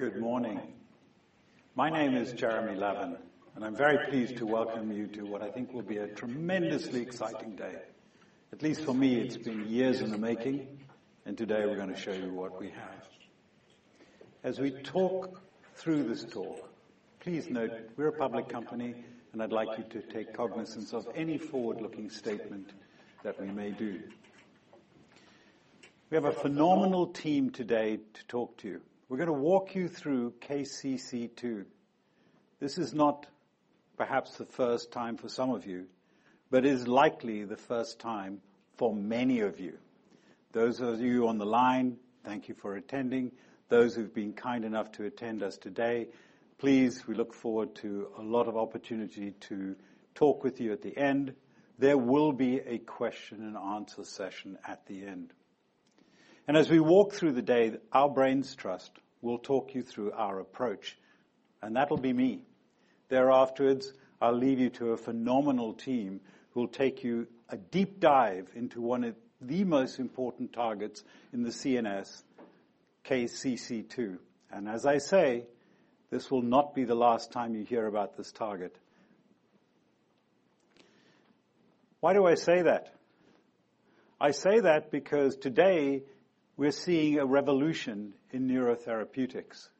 Good morning. My name is Jeremy Levin, and I'm very pleased to welcome you to what I think will be a tremendously exciting day. At least for me, it's been years in the making, and today we're going to show you what we have. As we talk through this talk, please note we're a public company, and I'd like you to take cognizance of any forward-looking statement that we may do. We have a phenomenal team today to talk to you. We're going to walk you through KCC2. This is not perhaps the first time for some of you, but it is likely the first time for many of you. Those of you on the line, thank you for attending. Those who've been kind enough to attend us today, please, we look forward to a lot of opportunity to talk with you at the end. There will be a question-and-answer session at the end, and as we walk through the day, our brain trust will talk you through our approach, and that'll be me. Thereafter, I'll leave you to a phenomenal team who'll take you a deep dive into one of the most important targets in the CNS, KCC2, and as I say, this will not be the last time you hear about this target. Why do I say that? I say that because today we're seeing a revolution in neurotherapeutics.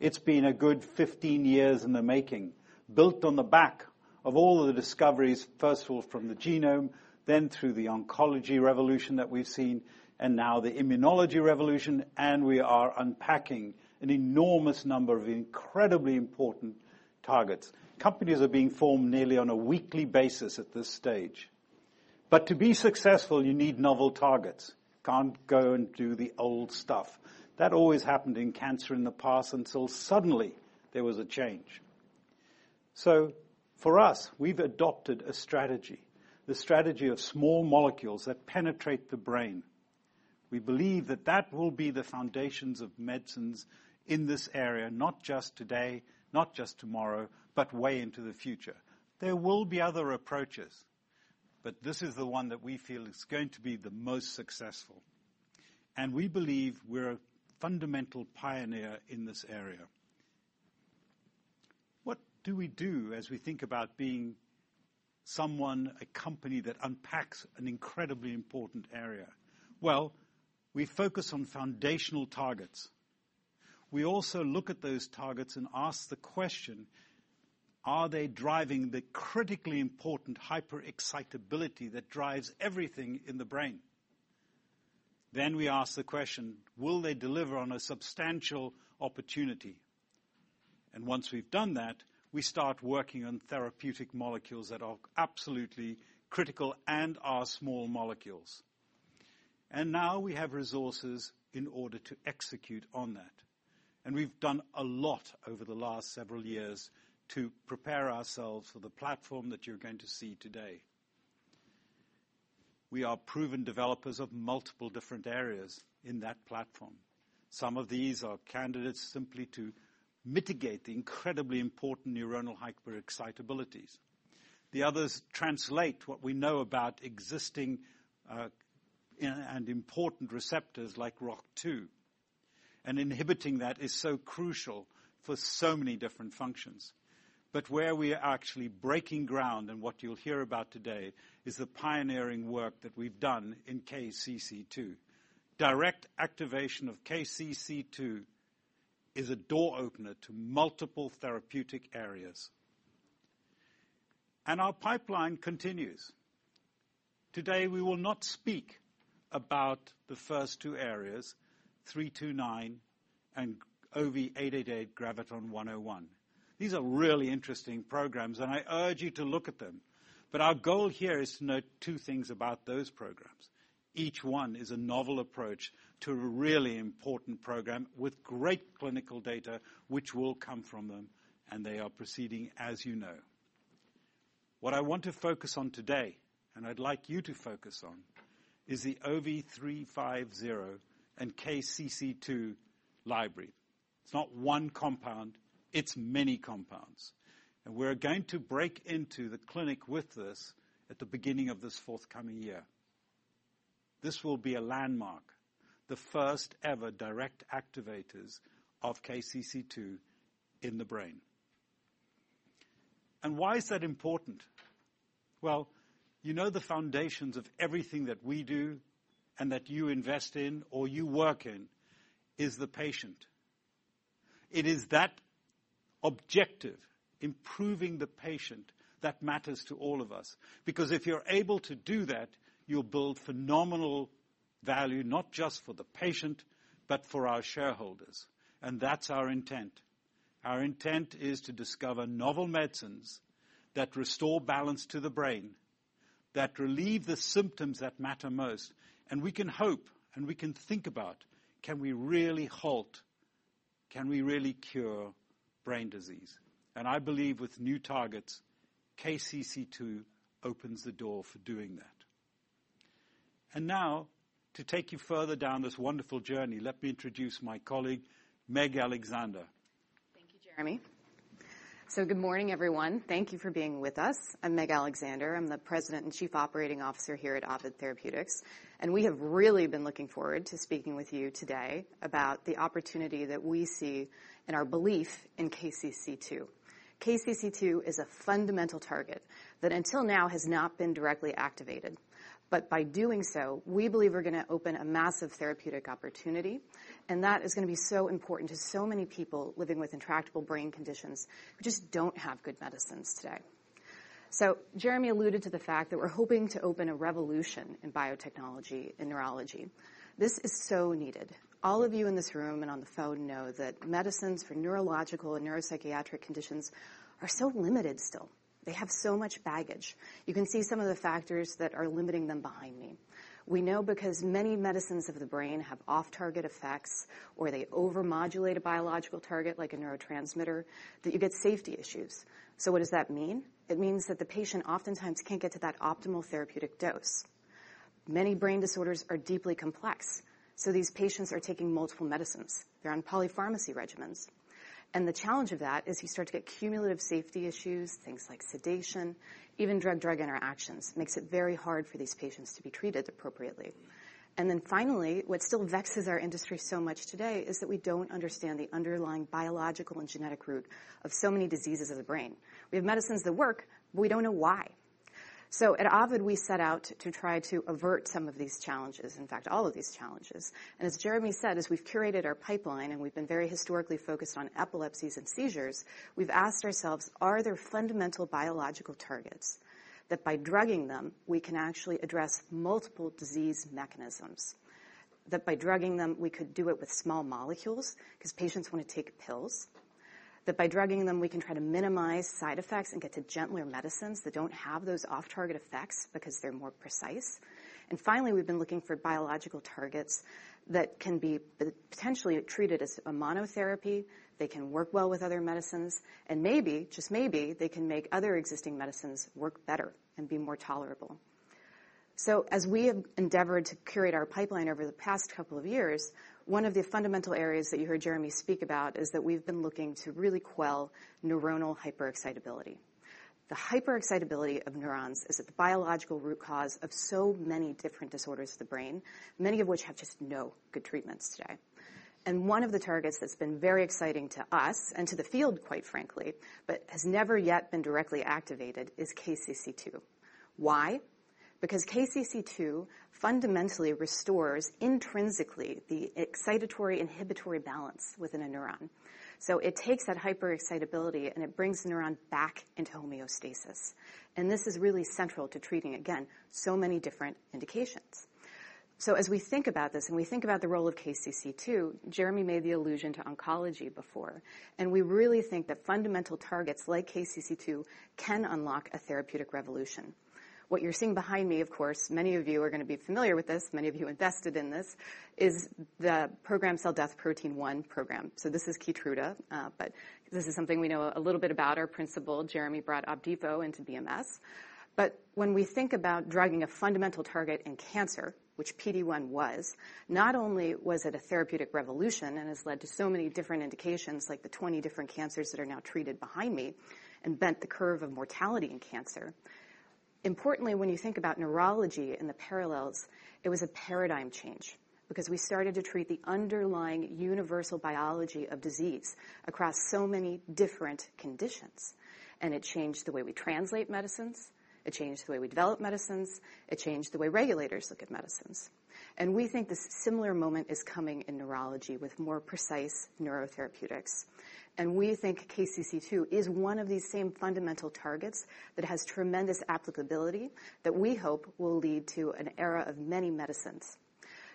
It's been a good 15 years in the making, built on the back of all of the discoveries, first of all from the genome, then through the oncology revolution that we've seen, and now the immunology revolution, and we are unpacking an enormous number of incredibly important targets. Companies are being formed nearly on a weekly basis at this stage. But to be successful, you need novel targets. Can't go and do the old stuff. That always happened in cancer in the past until suddenly there was a change. So for us, we've adopted a strategy, the strategy of small molecules that penetrate the brain. We believe that that will be the foundations of medicines in this area, not just today, not just tomorrow, but way into the future. There will be other approaches, but this is the one that we feel is going to be the most successful. And we believe we're a fundamental pioneer in this area. What do we do as we think about being someone, a company that unpacks an incredibly important area? Well, we focus on foundational targets. We also look at those targets and ask the question, are they driving the critically important hyper-excitability that drives everything in the brain? Then we ask the question, will they deliver on a substantial opportunity? And once we've done that, we start working on therapeutic molecules that are absolutely critical and are small molecules. And now we have resources in order to execute on that. And we've done a lot over the last several years to prepare ourselves for the platform that you're going to see today. We are proven developers of multiple different areas in that platform. Some of these are candidates simply to mitigate the incredibly important neuronal hyper-excitabilities. The others translate what we know about existing and important receptors like ROCK2. And inhibiting that is so crucial for so many different functions. But where we are actually breaking ground and what you'll hear about today is the pioneering work that we've done in KCC2. Direct activation of KCC2 is a door opener to multiple therapeutic areas. And our pipeline continues. Today, we will not speak about the first two areas, 329 and OV888/Graviton101. These are really interesting programs, and I urge you to look at them. But our goal here is to note two things about those programs. Each one is a novel approach to a really important program with great clinical data, which will come from them, and they are proceeding, as you know. What I want to focus on today, and I'd like you to focus on, is the OV350 and KCC2 library. It's not one compound. It's many compounds. And we're going to break into the clinic with this at the beginning of this forthcoming year. This will be a landmark, the first ever direct activators of KCC2 in the brain. And why is that important? Well, you know the foundations of everything that we do and that you invest in or you work in is the patient. It is that objective, improving the patient, that matters to all of us. Because if you're able to do that, you'll build phenomenal value, not just for the patient, but for our shareholders. And that's our intent. Our intent is to discover novel medicines that restore balance to the brain, that relieve the symptoms that matter most. And we can hope and we can think about, can we really halt, can we really cure brain disease? And I believe with new targets, KCC2 opens the door for doing that. And now, to take you further down this wonderful journey, let me introduce my colleague, Meg Alexander. Thank you, Jeremy. So good morning, everyone. Thank you for being with us. I'm Meg Alexander. I'm the President and Chief Operating Officer here at Ovid Therapeutics. And we have really been looking forward to speaking with you today about the opportunity that we see and our belief in KCC2. KCC2 is a fundamental target that until now has not been directly activated. But by doing so, we believe we're going to open a massive therapeutic opportunity, and that is going to be so important to so many people living with intractable brain conditions who just don't have good medicines today. So Jeremy alluded to the fact that we're hoping to open a revolution in biotechnology and neurology. This is so needed. All of you in this room and on the phone know that medicines for neurological and neuropsychiatric conditions are so limited still. They have so much baggage. You can see some of the factors that are limiting them behind me. We know because many medicines of the brain have off-target effects, or they over-modulate a biological target like a neurotransmitter, that you get safety issues. So what does that mean? It means that the patient oftentimes can't get to that optimal therapeutic dose. Many brain disorders are deeply complex, so these patients are taking multiple medicines. They're on polypharmacy regimens. And the challenge of that is you start to get cumulative safety issues, things like sedation, even drug-drug interactions. It makes it very hard for these patients to be treated appropriately. And then finally, what still vexes our industry so much today is that we don't understand the underlying biological and genetic root of so many diseases of the brain. We have medicines that work, but we don't know why. So at Ovid, we set out to try to avert some of these challenges, in fact, all of these challenges. And as Jeremy said, as we've curated our pipeline and we've been very historically focused on epilepsies and seizures, we've asked ourselves, are there fundamental biological targets that by drugging them, we can actually address multiple disease mechanisms? That by drugging them, we could do it with small molecules because patients want to take pills. That by drugging them, we can try to minimize side effects and get to gentler medicines that don't have those off-target effects because they're more precise. And finally, we've been looking for biological targets that can be potentially treated as a monotherapy. They can work well with other medicines, and maybe, just maybe, they can make other existing medicines work better and be more tolerable. As we have endeavored to curate our pipeline over the past couple of years, one of the fundamental areas that you heard Jeremy speak about is that we've been looking to really quell neuronal hyper-excitability. The hyper-excitability of neurons is at the biological root cause of so many different disorders of the brain, many of which have just no good treatments today. One of the targets that's been very exciting to us and to the field, quite frankly, but has never yet been directly activated is KCC2. Why? Because KCC2 fundamentally restores intrinsically the excitatory-inhibitory balance within a neuron. It takes that hyper-excitability, and it brings the neuron back into homeostasis. This is really central to treating, again, so many different indications. As we think about this and we think about the role of KCC2, Jeremy made the allusion to oncology before, and we really think that fundamental targets like KCC2 can unlock a therapeutic revolution. What you're seeing behind me, of course, many of you are going to be familiar with this, many of you invested in this, is the Programmed Cell Death Protein 1 program. This is Keytruda, but this is something we know a little bit about. Our principal, Jeremy, brought Opdivo into BMS. But when we think about drugging a fundamental target in cancer, which PD-1 was, not only was it a therapeutic revolution and has led to so many different indications, like the 20 different cancers that are now treated behind me, and bent the curve of mortality in cancer. Importantly, when you think about neurology and the parallels, it was a paradigm change because we started to treat the underlying universal biology of disease across so many different conditions. And it changed the way we translate medicines. It changed the way we develop medicines. It changed the way regulators look at medicines. And we think this similar moment is coming in neurology with more precise neurotherapeutics. And we think KCC2 is one of these same fundamental targets that has tremendous applicability that we hope will lead to an era of many medicines.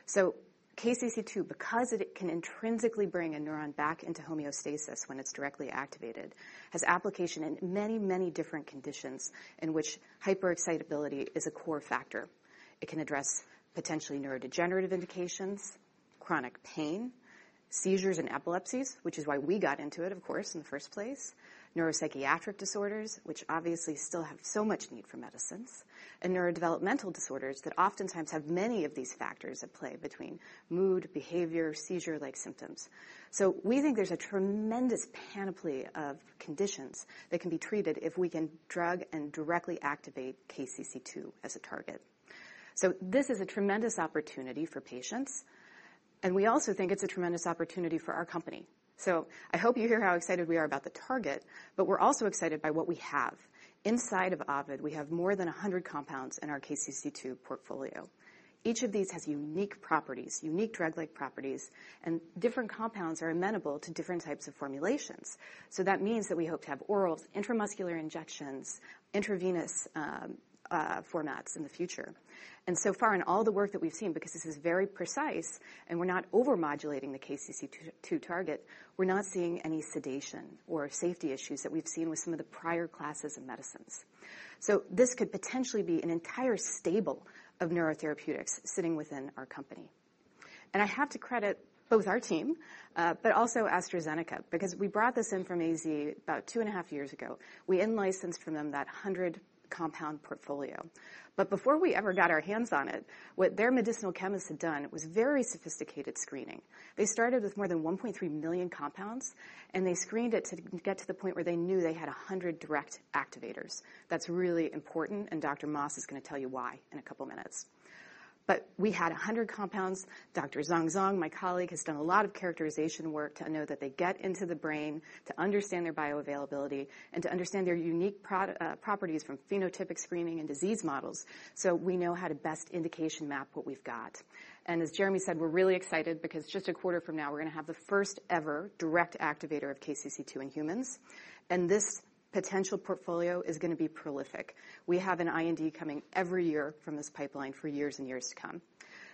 So KCC2, because it can intrinsically bring a neuron back into homeostasis when it's directly activated, has application in many, many different conditions in which hyper-excitability is a core factor. It can address potentially neurodegenerative indications, chronic pain, seizures and epilepsies, which is why we got into it, of course, in the first place, neuropsychiatric disorders, which obviously still have so much need for medicines, and neurodevelopmental disorders that oftentimes have many of these factors at play between mood, behavior, seizure-like symptoms. So we think there's a tremendous panoply of conditions that can be treated if we can drug and directly activate KCC2 as a target. So this is a tremendous opportunity for patients, and we also think it's a tremendous opportunity for our company. So I hope you hear how excited we are about the target, but we're also excited by what we have. Inside of Ovid, we have more than 100 compounds in our KCC2 portfolio. Each of these has unique properties, unique drug-like properties, and different compounds are amenable to different types of formulations. So that means that we hope to have orals, intramuscular injections, intravenous formats in the future. And so far in all the work that we've seen, because this is very precise and we're not over-modulating the KCC2 target, we're not seeing any sedation or safety issues that we've seen with some of the prior classes of medicines. So this could potentially be an entire stable of neurotherapeutics sitting within our company. And I have to credit both our team, but also AstraZeneca, because we brought this in from AZ about two and a half years ago. We in-licensed from them that 100-compound portfolio. But before we ever got our hands on it, what their medicinal chemists had done was very sophisticated screening. They started with more than 1.3 million compounds, and they screened it to get to the point where they knew they had 100 direct activators. That's really important, and Dr. Moss is going to tell you why in a couple of minutes. But we had 100 compounds. Dr. Zhong Zhong, my colleague, has done a lot of characterization work to know that they get into the brain to understand their bioavailability and to understand their unique properties from phenotypic screening and disease models. So we know how to best indication map what we've got. And as Jeremy said, we're really excited because just a quarter from now, we're going to have the first ever direct activator of KCC2 in humans. And this potential portfolio is going to be prolific. We have an IND coming every year from this pipeline for years and years to come.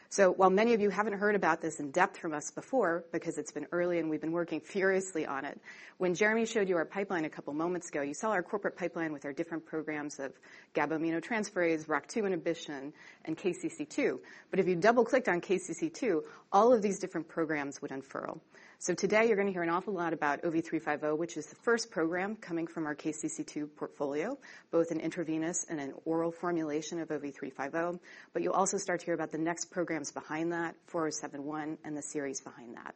So while many of you haven't heard about this in depth from us before, because it's been early and we've been working furiously on it, when Jeremy showed you our pipeline a couple of moments ago, you saw our corporate pipeline with our different programs of GABA aminotransferase, ROCK2 inhibition, and KCC2. But if you double-clicked on KCC2, all of these different programs would unfurl. So today, you're going to hear an awful lot about OV350, which is the first program coming from our KCC2 portfolio, both an intravenous and an oral formulation of OV350. But you'll also start to hear about the next programs behind that, 4071, and the series behind that.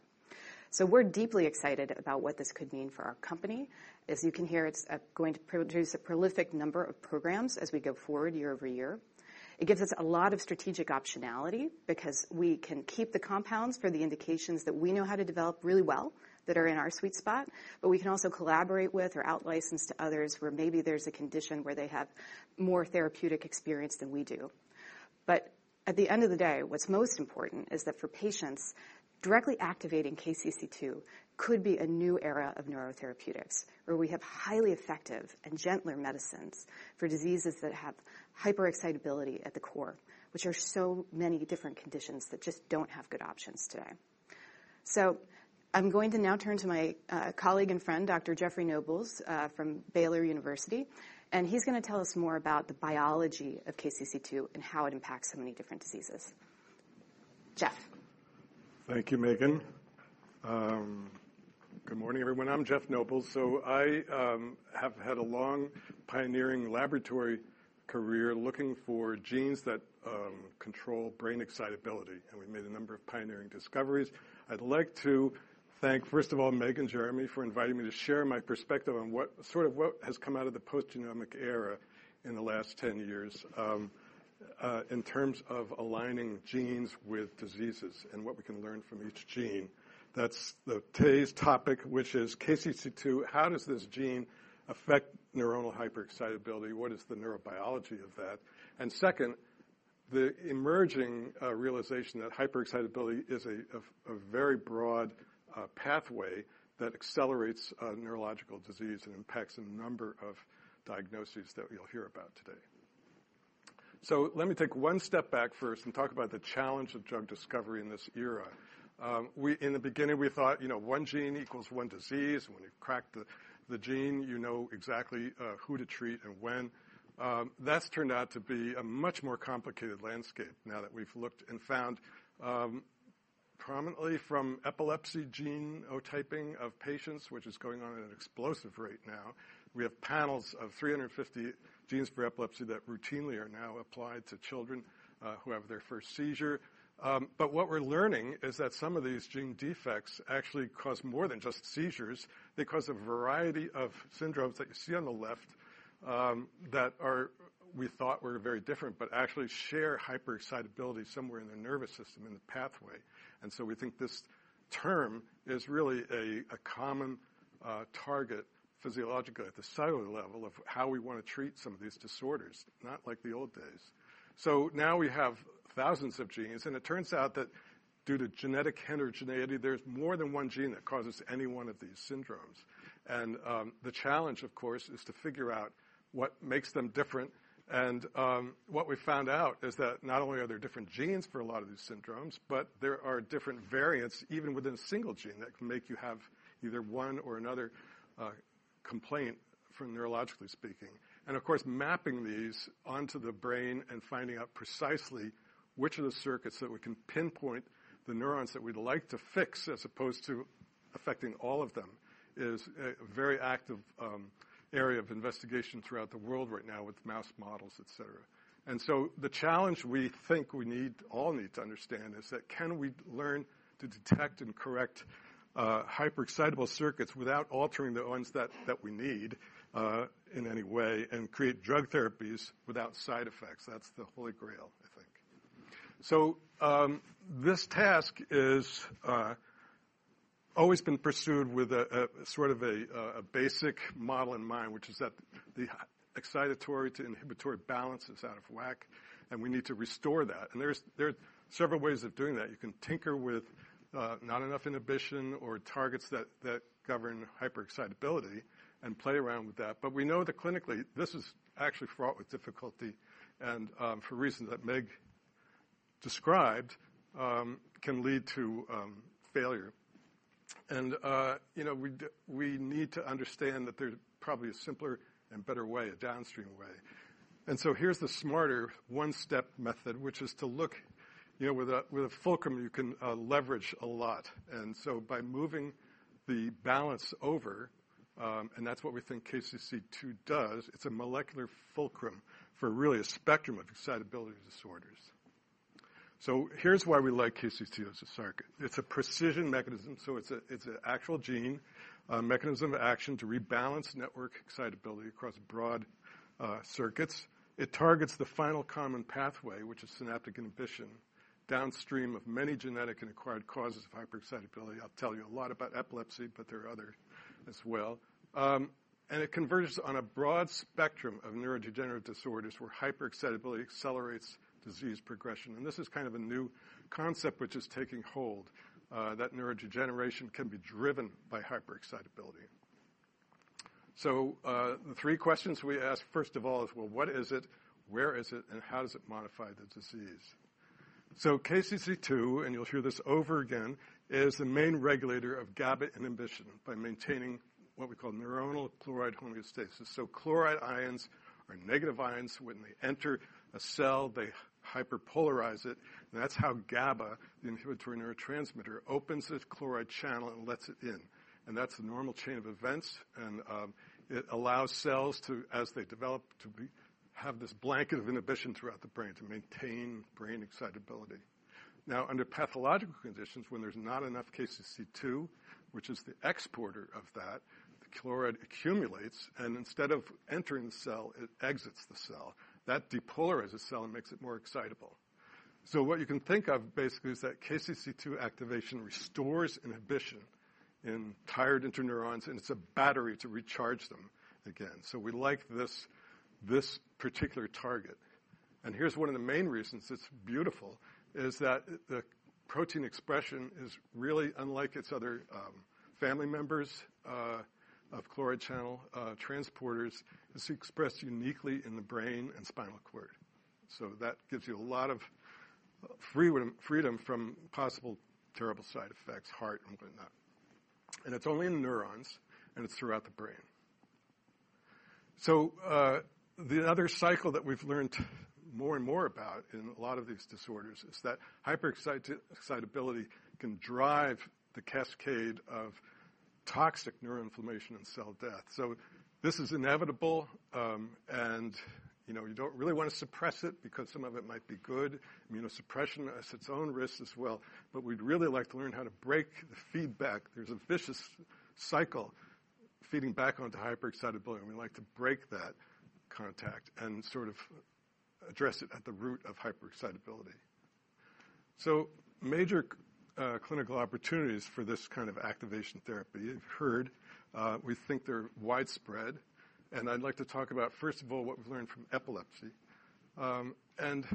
So we're deeply excited about what this could mean for our company. As you can hear, it's going to produce a prolific number of programs as we go forward year-over-year. It gives us a lot of strategic optionality because we can keep the compounds for the indications that we know how to develop really well that are in our sweet spot, but we can also collaborate with or out-license to others where maybe there's a condition where they have more therapeutic experience than we do. But at the end of the day, what's most important is that for patients, directly activating KCC2 could be a new era of neurotherapeutics, where we have highly effective and gentler medicines for diseases that have hyper-excitability at the core, which are so many different conditions that just don't have good options today. So I'm going to now turn to my colleague and friend, Dr. Jeffrey Noebels from Baylor University, and he's going to tell us more about the biology of KCC2 and how it impacts so many different diseases. Jeff. Thank you, Megan. Good morning, everyone. I'm Jeffrey Noebels. So I have had a long pioneering laboratory career looking for genes that control brain excitability, and we've made a number of pioneering discoveries. I'd like to thank, first of all, Meg and Jeremy for inviting me to share my perspective on sort of what has come out of the post-genomic era in the last 10 years in terms of aligning genes with diseases and what we can learn from each gene. That's today's topic, which is KCC2. How does this gene affect neuronal hyper-excitability? What is the neurobiology of that? And second, the emerging realization that hyper-excitability is a very broad pathway that accelerates neurological disease and impacts a number of diagnoses that you'll hear about today. So let me take one step back first and talk about the challenge of drug discovery in this era. In the beginning, we thought one gene equals one disease. When you crack the gene, you know exactly who to treat and when. That's turned out to be a much more complicated landscape now that we've looked and found. Prominently from epilepsy gene genotyping of patients, which is going on at an explosive rate now, we have panels of 350 genes for epilepsy that routinely are now applied to children who have their first seizure. But what we're learning is that some of these gene defects actually cause more than just seizures. They cause a variety of syndromes that you see on the left that we thought were very different, but actually share hyper-excitability somewhere in the nervous system in the pathway. We think this term is really a common target physiologically at the cellular level of how we want to treat some of these disorders, not like the old days. Now we have thousands of genes, and it turns out that due to genetic heterogeneity, there's more than one gene that causes any one of these syndromes. The challenge, of course, is to figure out what makes them different. What we found out is that not only are there different genes for a lot of these syndromes, but there are different variants even within a single gene that can make you have either one or another complaint from neurologically speaking. And of course, mapping these onto the brain and finding out precisely which of the circuits that we can pinpoint the neurons that we'd like to fix as opposed to affecting all of them is a very active area of investigation throughout the world right now with mouse models, et cetera. And so the challenge we think we all need to understand is that can we learn to detect and correct hyper-excitable circuits without altering the ones that we need in any way and create drug therapies without side effects? That's the Holy Grail, I think. So this task has always been pursued with sort of a basic model in mind, which is that the excitatory to inhibitory balance is out of whack, and we need to restore that. And there are several ways of doing that. You can tinker with not enough inhibition or targets that govern hyper-excitability and play around with that. But we know that clinically this is actually fraught with difficulty and for reasons that Meg described can lead to failure. And we need to understand that there's probably a simpler and better way, a downstream way. And so here's the smarter one-step method, which is to look with a fulcrum, you can leverage a lot. And so by moving the balance over, and that's what we think KCC2 does, it's a molecular fulcrum for really a spectrum of excitability disorders. So here's why we like KCC2 as a circuit. It's a precision mechanism. So it's an actual gene mechanism of action to rebalance network excitability across broad circuits. It targets the final common pathway, which is synaptic inhibition, downstream of many genetic and acquired causes of hyper-excitability. I'll tell you a lot about epilepsy, but there are others as well. And it converges on a broad spectrum of neurodegenerative disorders where hyper-excitability accelerates disease progression. And this is kind of a new concept which is taking hold, that neurodegeneration can be driven by hyper-excitability. So the three questions we ask, first of all, is, well, what is it, where is it, and how does it modify the disease? So KCC2, and you'll hear this over again, is the main regulator of GABA inhibition by maintaining what we call neuronal chloride homeostasis. So chloride ions are negative ions. When they enter a cell, they hyperpolarize it. And that's how GABA, the inhibitory neurotransmitter, opens its chloride channel and lets it in. And that's a normal chain of events. And it allows cells to, as they develop, have this blanket of inhibition throughout the brain to maintain brain excitability. Now, under pathological conditions, when there's not enough KCC2, which is the exporter of that, the chloride accumulates, and instead of entering the cell, it exits the cell. That depolarizes the cell and makes it more excitable, so what you can think of basically is that KCC2 activation restores inhibition in tired interneurons, and it's a battery to recharge them again, so we like this particular target, and here's one of the main reasons it's beautiful, is that the protein expression is really unlike its other family members of chloride channel transporters. It's expressed uniquely in the brain and spinal cord, so that gives you a lot of freedom from possible terrible side effects, heart and whatnot, and it's only in neurons, and it's throughout the brain. So the other cycle that we've learned more and more about in a lot of these disorders is that hyper-excitability can drive the cascade of toxic neuroinflammation and cell death. So this is inevitable, and you don't really want to suppress it because some of it might be good. Immunosuppression has its own risks as well. But we'd really like to learn how to break the feedback. There's a vicious cycle feeding back onto hyper-excitability, and we'd like to break that contact and sort of address it at the root of hyper-excitability. So major clinical opportunities for this kind of activation therapy you've heard, we think they're widespread. And I'd like to talk about, first of all, what we've learned from epilepsy. And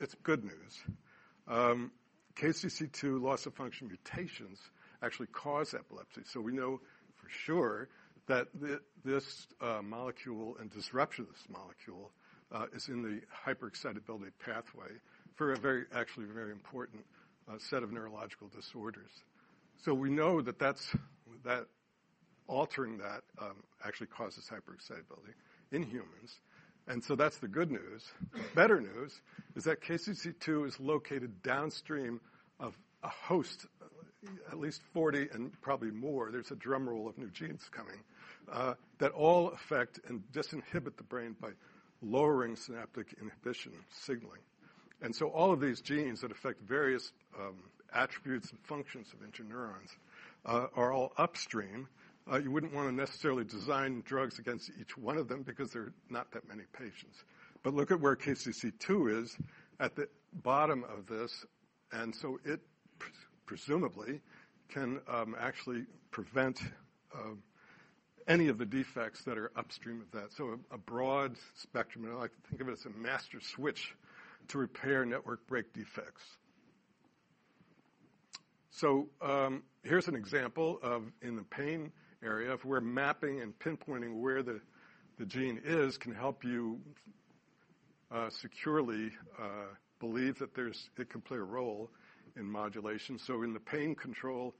it's good news. KCC2 loss of function mutations actually cause epilepsy. So we know for sure that this molecule and disruption of this molecule is in the hyper-excitability pathway for actually a very important set of neurological disorders. So we know that altering that actually causes hyper-excitability in humans. And so that's the good news. Better news is that KCC2 is located downstream of at least 40 and probably more. There's a drumroll of new genes coming that all affect and disinhibit the brain by lowering synaptic inhibition signaling. And so all of these genes that affect various attributes and functions of interneurons are all upstream. You wouldn't want to necessarily design drugs against each one of them because there are not that many patients. But look at where KCC2 is at the bottom of this. And so it presumably can actually prevent any of the defects that are upstream of that. So a broad spectrum, and I like to think of it as a master switch to repair network break defects. Here's an example of, in the pain area, where mapping and pinpointing where the gene is can help you securely believe that it can play a role in modulation. So in the pain control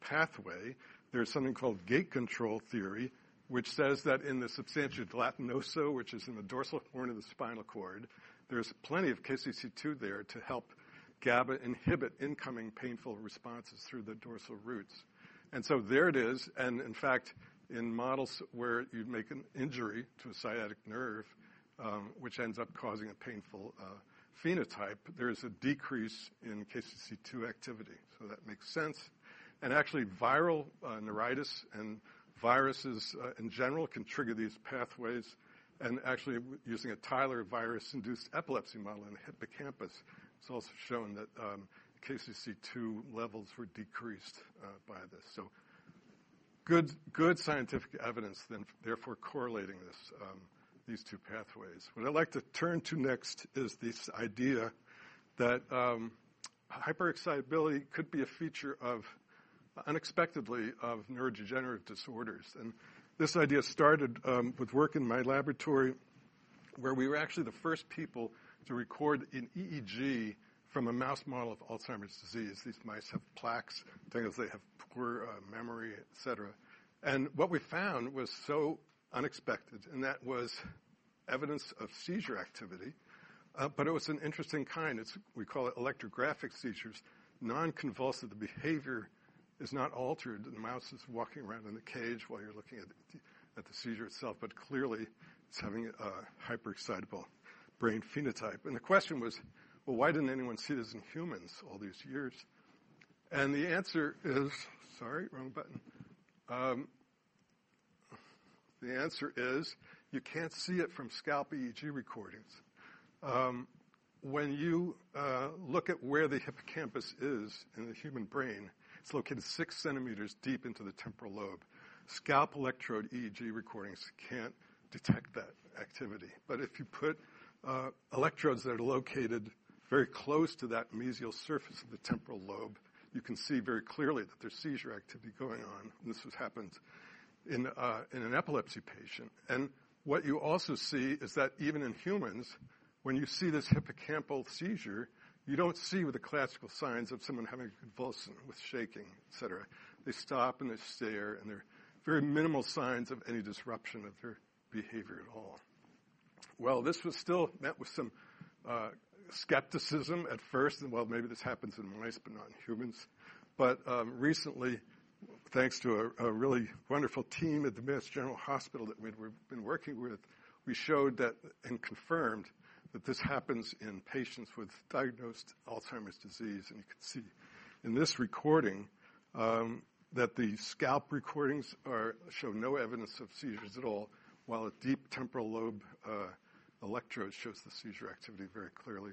pathway, there's something called Gate Control Theory, which says that in the substantia gelatinosa, which is in the dorsal horn of the spinal cord, there's plenty of KCC2 there to help GABA inhibit incoming painful responses through the dorsal roots. And so there it is. And in fact, in models where you'd make an injury to a sciatic nerve, which ends up causing a painful phenotype, there is a decrease in KCC2 activity. So that makes sense. And actually, viral neuritis and viruses in general can trigger these pathways. Actually, using a Theiler's virus-induced epilepsy model in the hippocampus, it's also shown that KCC2 levels were decreased by this. Good scientific evidence then, therefore, correlating these two pathways. What I'd like to turn to next is this idea that hyper-excitability could be a feature unexpectedly of neurodegenerative disorders. This idea started with work in my laboratory where we were actually the first people to record an EEG from a mouse model of Alzheimer's disease. These mice have plaques. They have poor memory, et cetera. What we found was so unexpected, and that was evidence of seizure activity, but it was an interesting kind. We call it electrographic seizures. Non-convulsive behavior is not altered. The mouse is walking around in the cage while you're looking at the seizure itself, but clearly it's having a hyper-excitable brain phenotype. And the question was, well, why didn't anyone see this in humans all these years? And the answer is, sorry, wrong button. The answer is you can't see it from scalp EEG recordings. When you look at where the hippocampus is in the human brain, it's located 6 m deep into the temporal lobe. Scalp electrode EEG recordings can't detect that activity. But if you put electrodes that are located very close to that mesial surface of the temporal lobe, you can see very clearly that there's seizure activity going on. And this has happened in an epilepsy patient. And what you also see is that even in humans, when you see this hippocampal seizure, you don't see the classical signs of someone having a convulsion with shaking, et cetera. They stop and they stare, and there are very minimal signs of any disruption of their behavior at all. This was still met with some skepticism at first. Maybe this happens in mice, but not in humans. Recently, thanks to a really wonderful team at the Massachusetts General Hospital that we've been working with, we showed and confirmed that this happens in patients with diagnosed Alzheimer's disease. You can see in this recording that the scalp recordings show no evidence of seizures at all, while a deep temporal lobe electrode shows the seizure activity very clearly.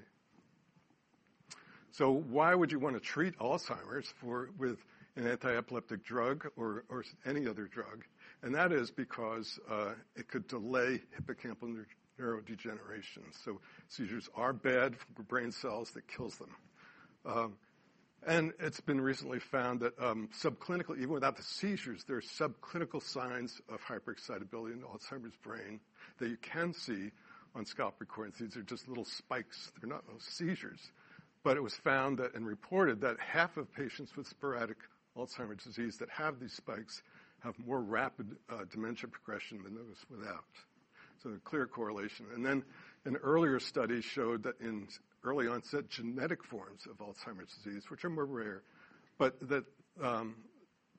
Why would you want to treat Alzheimer's with an anti-epileptic drug or any other drug? That is because it could delay hippocampal neurodegeneration. Seizures are bad for brain cells. That kills them. Recently, it has been found that subclinically, even without the seizures, there are subclinical signs of hyper-excitability in Alzheimer's brain that you can see on scalp recordings. These are just little spikes. They're not seizures, but it was found and reported that half of patients with sporadic Alzheimer's disease that have these spikes have more rapid dementia progression than those without, so a clear correlation, and then an earlier study showed that in early onset genetic forms of Alzheimer's disease, which are more rare, but that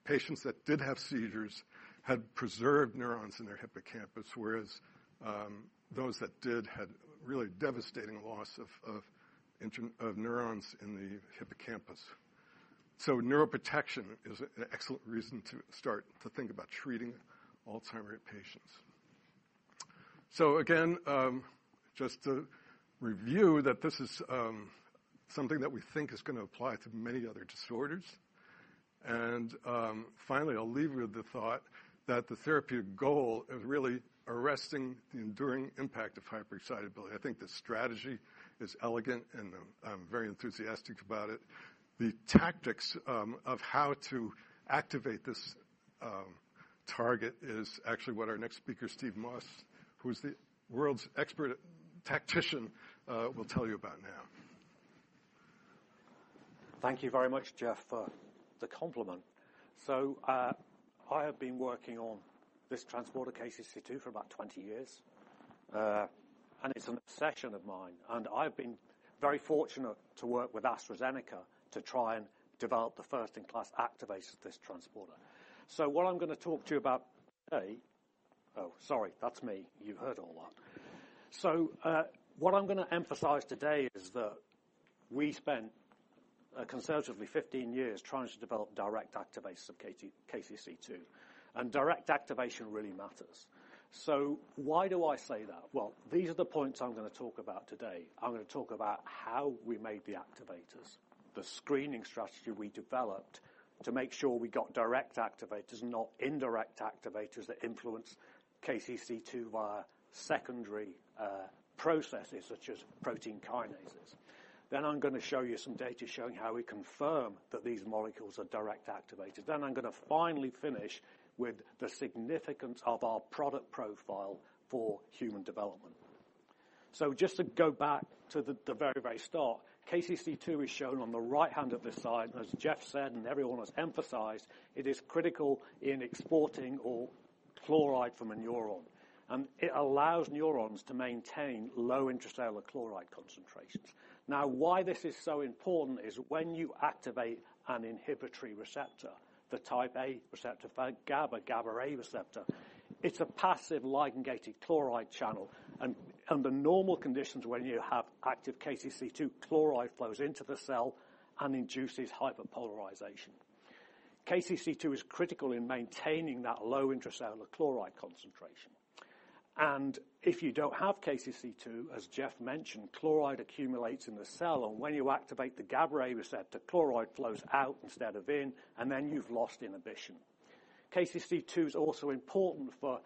patients that did have seizures had preserved neurons in their hippocampus, whereas those that did had really devastating loss of neurons in the hippocampus, so neuroprotection is an excellent reason to start to think about treating Alzheimer's patients. So again, just to review that this is something that we think is going to apply to many other disorders, and finally, I'll leave you with the thought that the therapeutic goal is really arresting the enduring impact of hyper-excitability. I think the strategy is elegant, and I'm very enthusiastic about it. The tactics of how to activate this target is actually what our next speaker, Steve Moss, who is the world's expert tactician, will tell you about now. Thank you very much, Jeff, for the compliment. So I have been working on this transporter KCC2 for about 20 years, and it's an obsession of mine. And I've been very fortunate to work with AstraZeneca to try and develop the first-in-class activators of this transporter. So what I'm going to talk to you about today. Oh, sorry, that's me. You heard all that. So what I'm going to emphasize today is that we spent a conservatively 15 years trying to develop direct activators of KCC2. And direct activation really matters. So why do I say that? Well, these are the points I'm going to talk about today. I'm going to talk about how we made the activators, the screening strategy we developed to make sure we got direct activators, not indirect activators that influence KCC2 via secondary processes such as protein kinases, then I'm going to show you some data showing how we confirm that these molecules are direct activators, then I'm going to finally finish with the significance of our product profile for human development, so just to go back to the very, very start, KCC2 is shown on the right-hand side. And as Jeff said and everyone has emphasized, it is critical in exporting chloride from a neuron, and it allows neurons to maintain low intracellular chloride concentrations. Now, why this is so important is when you activate an inhibitory receptor, the type A receptor for GABA-A receptor, it's a passive ligand-gated chloride channel. Under normal conditions, when you have active KCC2, chloride flows into the cell and induces hyperpolarization. KCC2 is critical in maintaining that low intracellular chloride concentration. If you don't have KCC2, as Jeff mentioned, chloride accumulates in the cell. When you activate the GABA-A receptor, chloride flows out instead of in, and then you've lost inhibition. KCC2 is also important for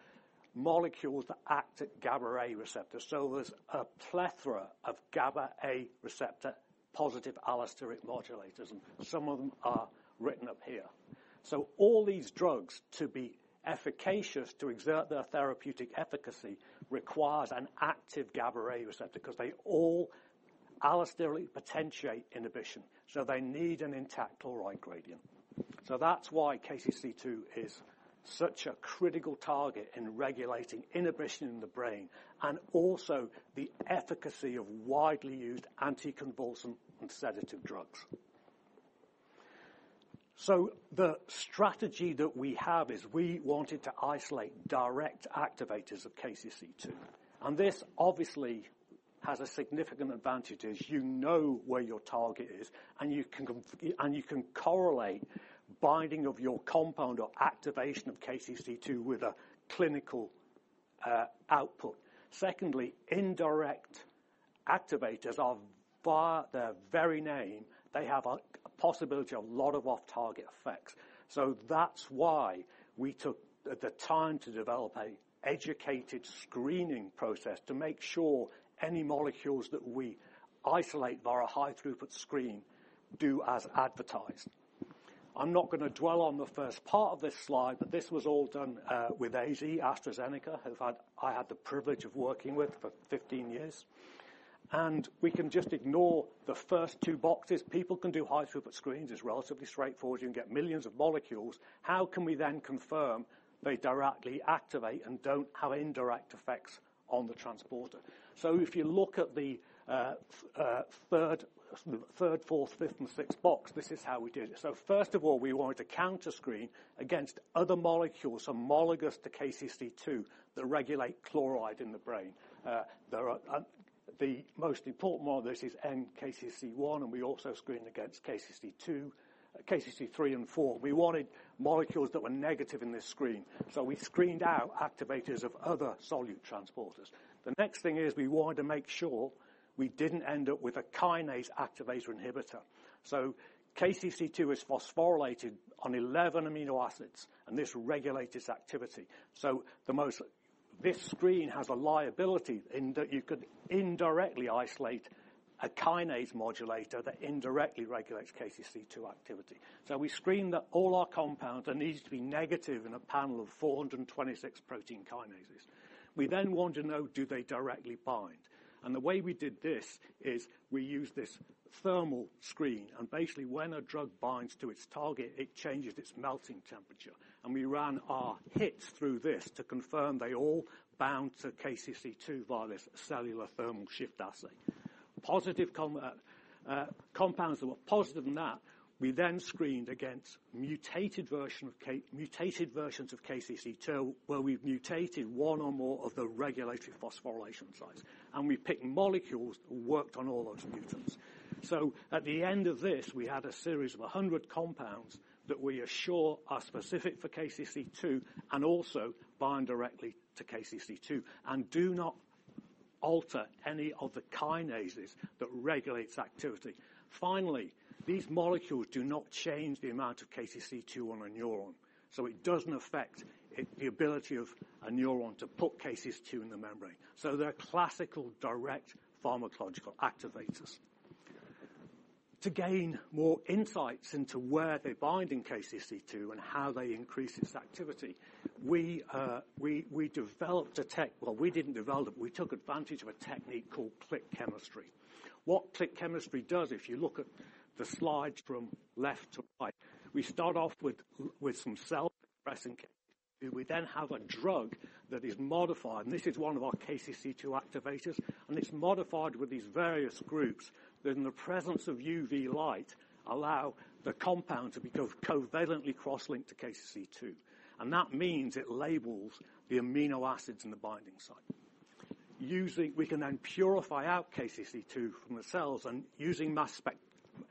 molecules that act at GABA-A receptors. There's a plethora of GABA-A receptor positive allosteric modulators, and some of them are written up here. All these drugs, to be efficacious, to exert their therapeutic efficacy, require an active GABA-A receptor because they all allosterically potentiate inhibition. They need an intact chloride gradient. That's why KCC2 is such a critical target in regulating inhibition in the brain and also the efficacy of widely used anti-convulsant and sedative drugs. The strategy that we have is we wanted to isolate direct activators of KCC2. And this obviously has a significant advantage as you know where your target is, and you can correlate binding of your compound or activation of KCC2 with a clinical output. Secondly, indirect activators are via their very name, they have a possibility of a lot of off-target effects. So that's why we took the time to develop an educated screening process to make sure any molecules that we isolate via a high-throughput screen do as advertised. I'm not going to dwell on the first part of this slide, but this was all done with AZ, AstraZeneca, who I had the privilege of working with for 15 years. And we can just ignore the first two boxes. People can do high-throughput screens. It's relatively straightforward. You can get millions of molecules. How can we then confirm they directly activate and don't have indirect effects on the transporter? So if you look at the third, fourth, fifth, and sixth box, this is how we did it. So first of all, we wanted to counter-screen against other molecules homologous to KCC2 that regulate chloride in the brain. The most important one of this is KCC1, and we also screened against KCC3 and KCC4. We wanted molecules that were negative in this screen. So we screened out activators of other solute transporters. The next thing is we wanted to make sure we didn't end up with a kinase activator inhibitor. So KCC2 is phosphorylated on 11 amino acids, and this regulates its activity. So this screen has a liability in that you could indirectly isolate a kinase modulator that indirectly regulates KCC2 activity. So we screened all our compounds and these to be negative in a panel of 426 protein kinases. We then wanted to know, do they directly bind? And the way we did this is we used this thermal screen. And basically, when a drug binds to its target, it changes its melting temperature. And we ran our hits through this to confirm they all bound to KCC2 via this cellular thermal shift assay. Compounds that were positive in that, we then screened against mutated versions of KCC2 where we mutated one or more of the regulatory phosphorylation sites. And we picked molecules that worked on all those mutants. So at the end of this, we had a series of 100 compounds that we assure are specific for KCC2 and also bind directly to KCC2 and do not alter any of the kinases that regulate its activity. Finally, these molecules do not change the amount of KCC2 on a neuron. So it doesn't affect the ability of a neuron to put KCC2 in the membrane. So they're classical direct pharmacological activators. To gain more insights into where they bind in KCC2 and how they increase its activity, we developed a tech, well, we didn't develop it. We took advantage of a technique called click chemistry. What click chemistry does, if you look at the slides from left to right, we start off with some self-explanatory chemistry. We then have a drug that is modified. And this is one of our KCC2 activators. And it's modified with these various groups that, in the presence of UV light, allow the compound to be covalently cross-linked to KCC2. And that means it labels the amino acids in the binding site. We can then purify out KCC2 from the cells.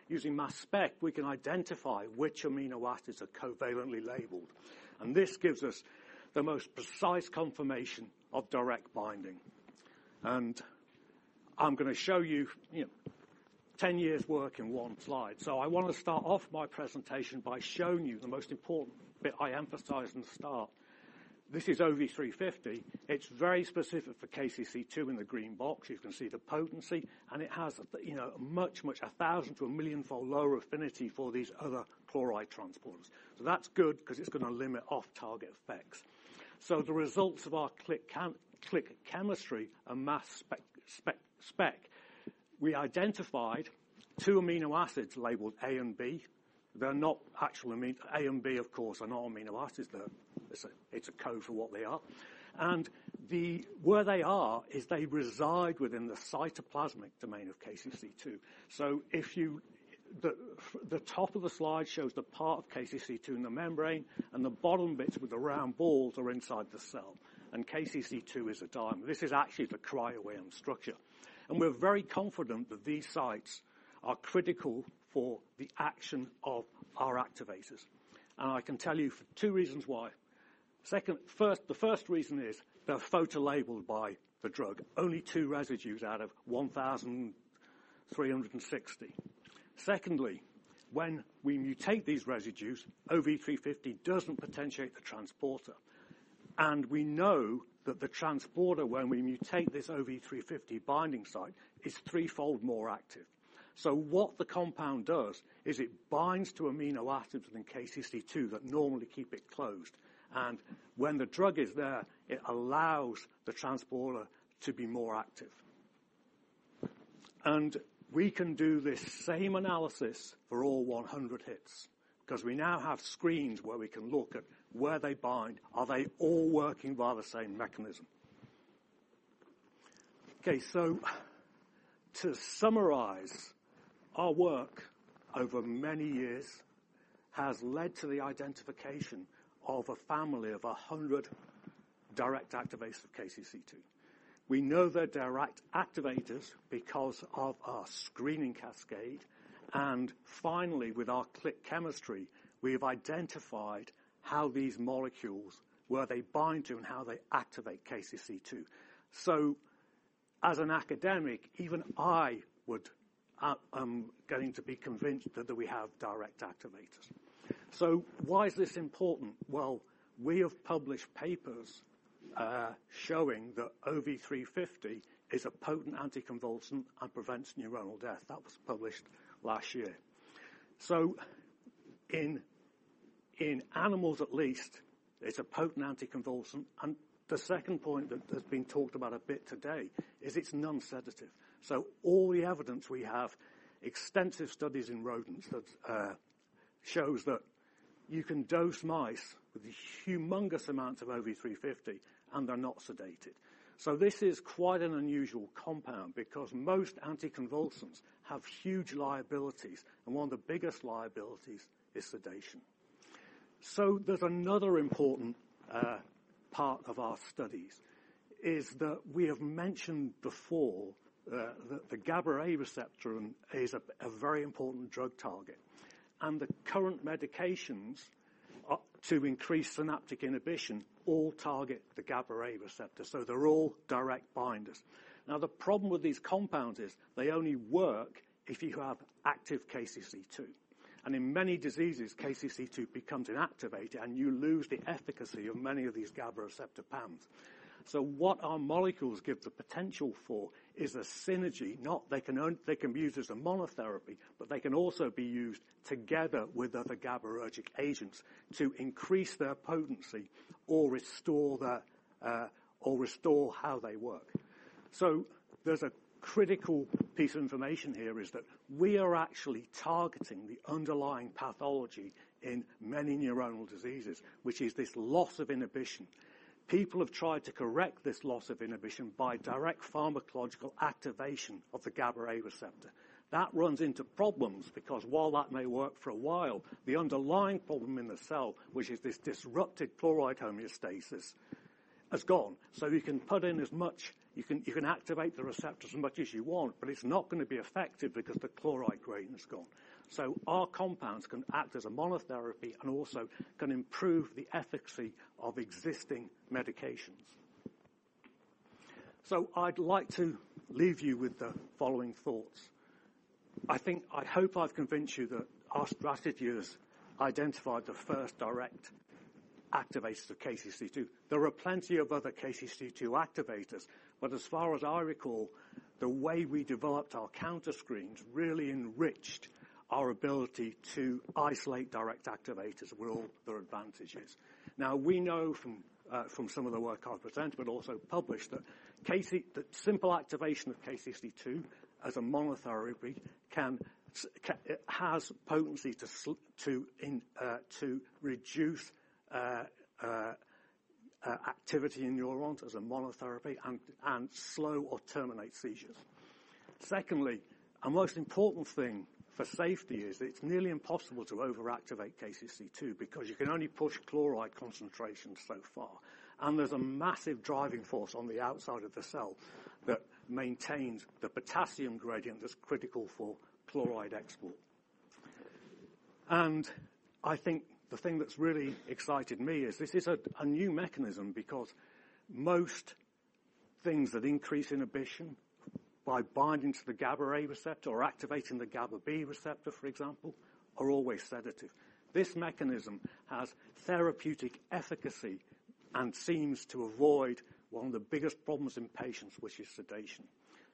Using mass spec, we can identify which amino acids are covalently labeled. This gives us the most precise confirmation of direct binding. I'm going to show you 10 years' work in one slide. I want to start off my presentation by showing you the most important bit I emphasized in the start. This is OV350. It's very specific for KCC2 in the green box. You can see the potency. It has a much, much 1,000-1,000,000-fold lower affinity for these other chloride transporters. That's good because it's going to limit off-target effects. The results of our click chemistry and mass spec, we identified two amino acids labeled A and B. They're not actual amino. A and B, of course, are not amino acids. It's a code for what they are. And where they are is they reside within the cytoplasmic domain of KCC2. So the top of the slide shows the part of KCC2 in the membrane, and the bottom bits with the round balls are inside the cell. And KCC2 is a diamond. This is actually the Cryo-EM structure. And we're very confident that these sites are critical for the action of our activators. And I can tell you for two reasons why. The first reason is they're photolabeled by the drug, only two residues out of 1,360. Secondly, when we mutate these residues, OV350 doesn't potentiate the transporter. And we know that the transporter, when we mutate this OV350 binding site, is threefold more active. So what the compound does is it binds to amino acids within KCC2 that normally keep it closed. When the drug is there, it allows the transporter to be more active. We can do this same analysis for all 100 hits because we now have screens where we can look at where they bind. Are they all working via the same mechanism? Okay. To summarize, our work over many years has led to the identification of a family of 100 direct activators of KCC2. We know they're direct activators because of our screening cascade. Finally, with our click chemistry, we've identified how these molecules, where they bind to and how they activate KCC2. As an academic, even I am getting to be convinced that we have direct activators. Why is this important? We have published papers showing that OV350 is a potent anticonvulsant and prevents neuronal death. That was published last year. So in animals, at least, it's a potent anticonvulsant. And the second point that has been talked about a bit today is it's non-sedative. So all the evidence we have, extensive studies in rodents, shows that you can dose mice with humongous amounts of OV350, and they're not sedated. So this is quite an unusual compound because most anticonvulsants have huge liabilities, and one of the biggest liabilities is sedation. So there's another important part of our studies is that we have mentioned before that the GABA-A receptor is a very important drug target. And the current medications to increase synaptic inhibition all target the GABA-A receptor. So they're all direct binders. Now, the problem with these compounds is they only work if you have active KCC2. And in many diseases, KCC2 becomes inactivated, and you lose the efficacy of many of these GABA receptor paths. So what our molecules give the potential for is a synergy. They can be used as a monotherapy, but they can also be used together with other GABAergic agents to increase their potency or restore how they work. So there's a critical piece of information here is that we are actually targeting the underlying pathology in many neuronal diseases, which is this loss of inhibition. People have tried to correct this loss of inhibition by direct pharmacological activation of the GABA-A receptor. That runs into problems because while that may work for a while, the underlying problem in the cell, which is this disrupted chloride homeostasis, has gone. So you can put in as much. You can activate the receptor as much as you want, but it's not going to be effective because the chloride gradient has gone. So our compounds can act as a monotherapy and also can improve the efficacy of existing medications. So I'd like to leave you with the following thoughts. I hope I've convinced you that our strategy has identified the first direct activators of KCC2. There are plenty of other KCC2 activators, but as far as I recall, the way we developed our counter-screens really enriched our ability to isolate direct activators with all their advantages. Now, we know from some of the work I've presented, but also published, that simple activation of KCC2 as a monotherapy has potency to reduce activity in neurons as a monotherapy and slow or terminate seizures. Secondly, a most important thing for safety is it's nearly impossible to overactivate KCC2 because you can only push chloride concentrations so far. And there's a massive driving force on the outside of the cell that maintains the potassium gradient that's critical for chloride export. And I think the thing that's really excited me is this is a new mechanism because most things that increase inhibition by binding to the GABA-A receptor or activating the GAB-B receptor, for example, are always sedative. This mechanism has therapeutic efficacy and seems to avoid one of the biggest problems in patients, which is sedation.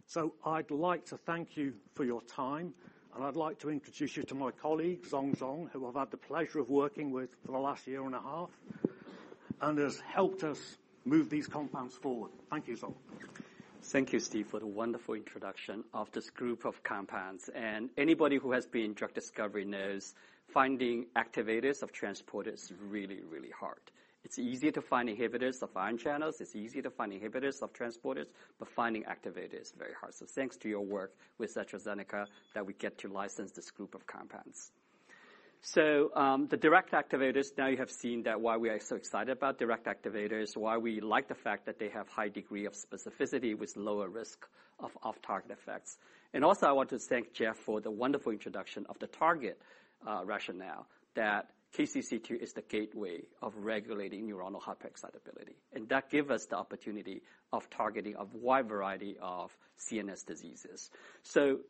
So I'd like to thank you for your time, and I'd like to introduce you to my colleague, Zhong Zhong, who I've had the pleasure of working with for the last year and a half and has helped us move these compounds forward. Thank you, Zhong. Thank you, Steve, for the wonderful introduction of this group of compounds, and anybody who has been in drug discovery knows finding activators of transporters is really, really hard. It's easy to find inhibitors of ion channels. It's easy to find inhibitors of transporters, but finding activators is very hard, so thanks to your work with AstraZeneca that we get to license this group of compounds, so the direct activators, now you have seen why we are so excited about direct activators, why we like the fact that they have a high degree of specificity with lower risk of off-target effects, and also, I want to thank Jeff for the wonderful introduction of the target rationale that KCC2 is the gateway of regulating neuronal hyper-excitability, and that gives us the opportunity of targeting a wide variety of CNS diseases.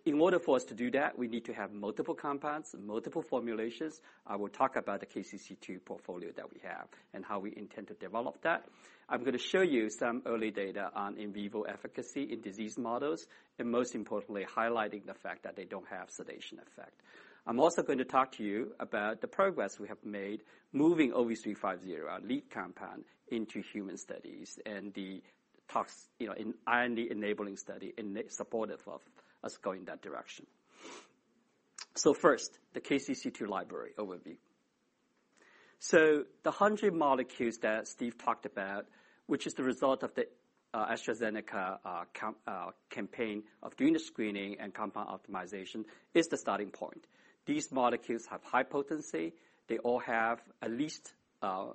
In order for us to do that, we need to have multiple compounds, multiple formulations. I will talk about the KCC2 portfolio that we have and how we intend to develop that. I'm going to show you some early data on in vivo efficacy in disease models and, most importantly, highlighting the fact that they don't have sedation effect. I'm also going to talk to you about the progress we have made moving OV350, our lead compound, into human studies and the IND-enabling study in support of us going that direction. First, the KCC2 library overview. The 100 molecules that Steve talked about, which is the result of the AstraZeneca campaign of doing the screening and compound optimization, is the starting point. These molecules have high potency. They all have at least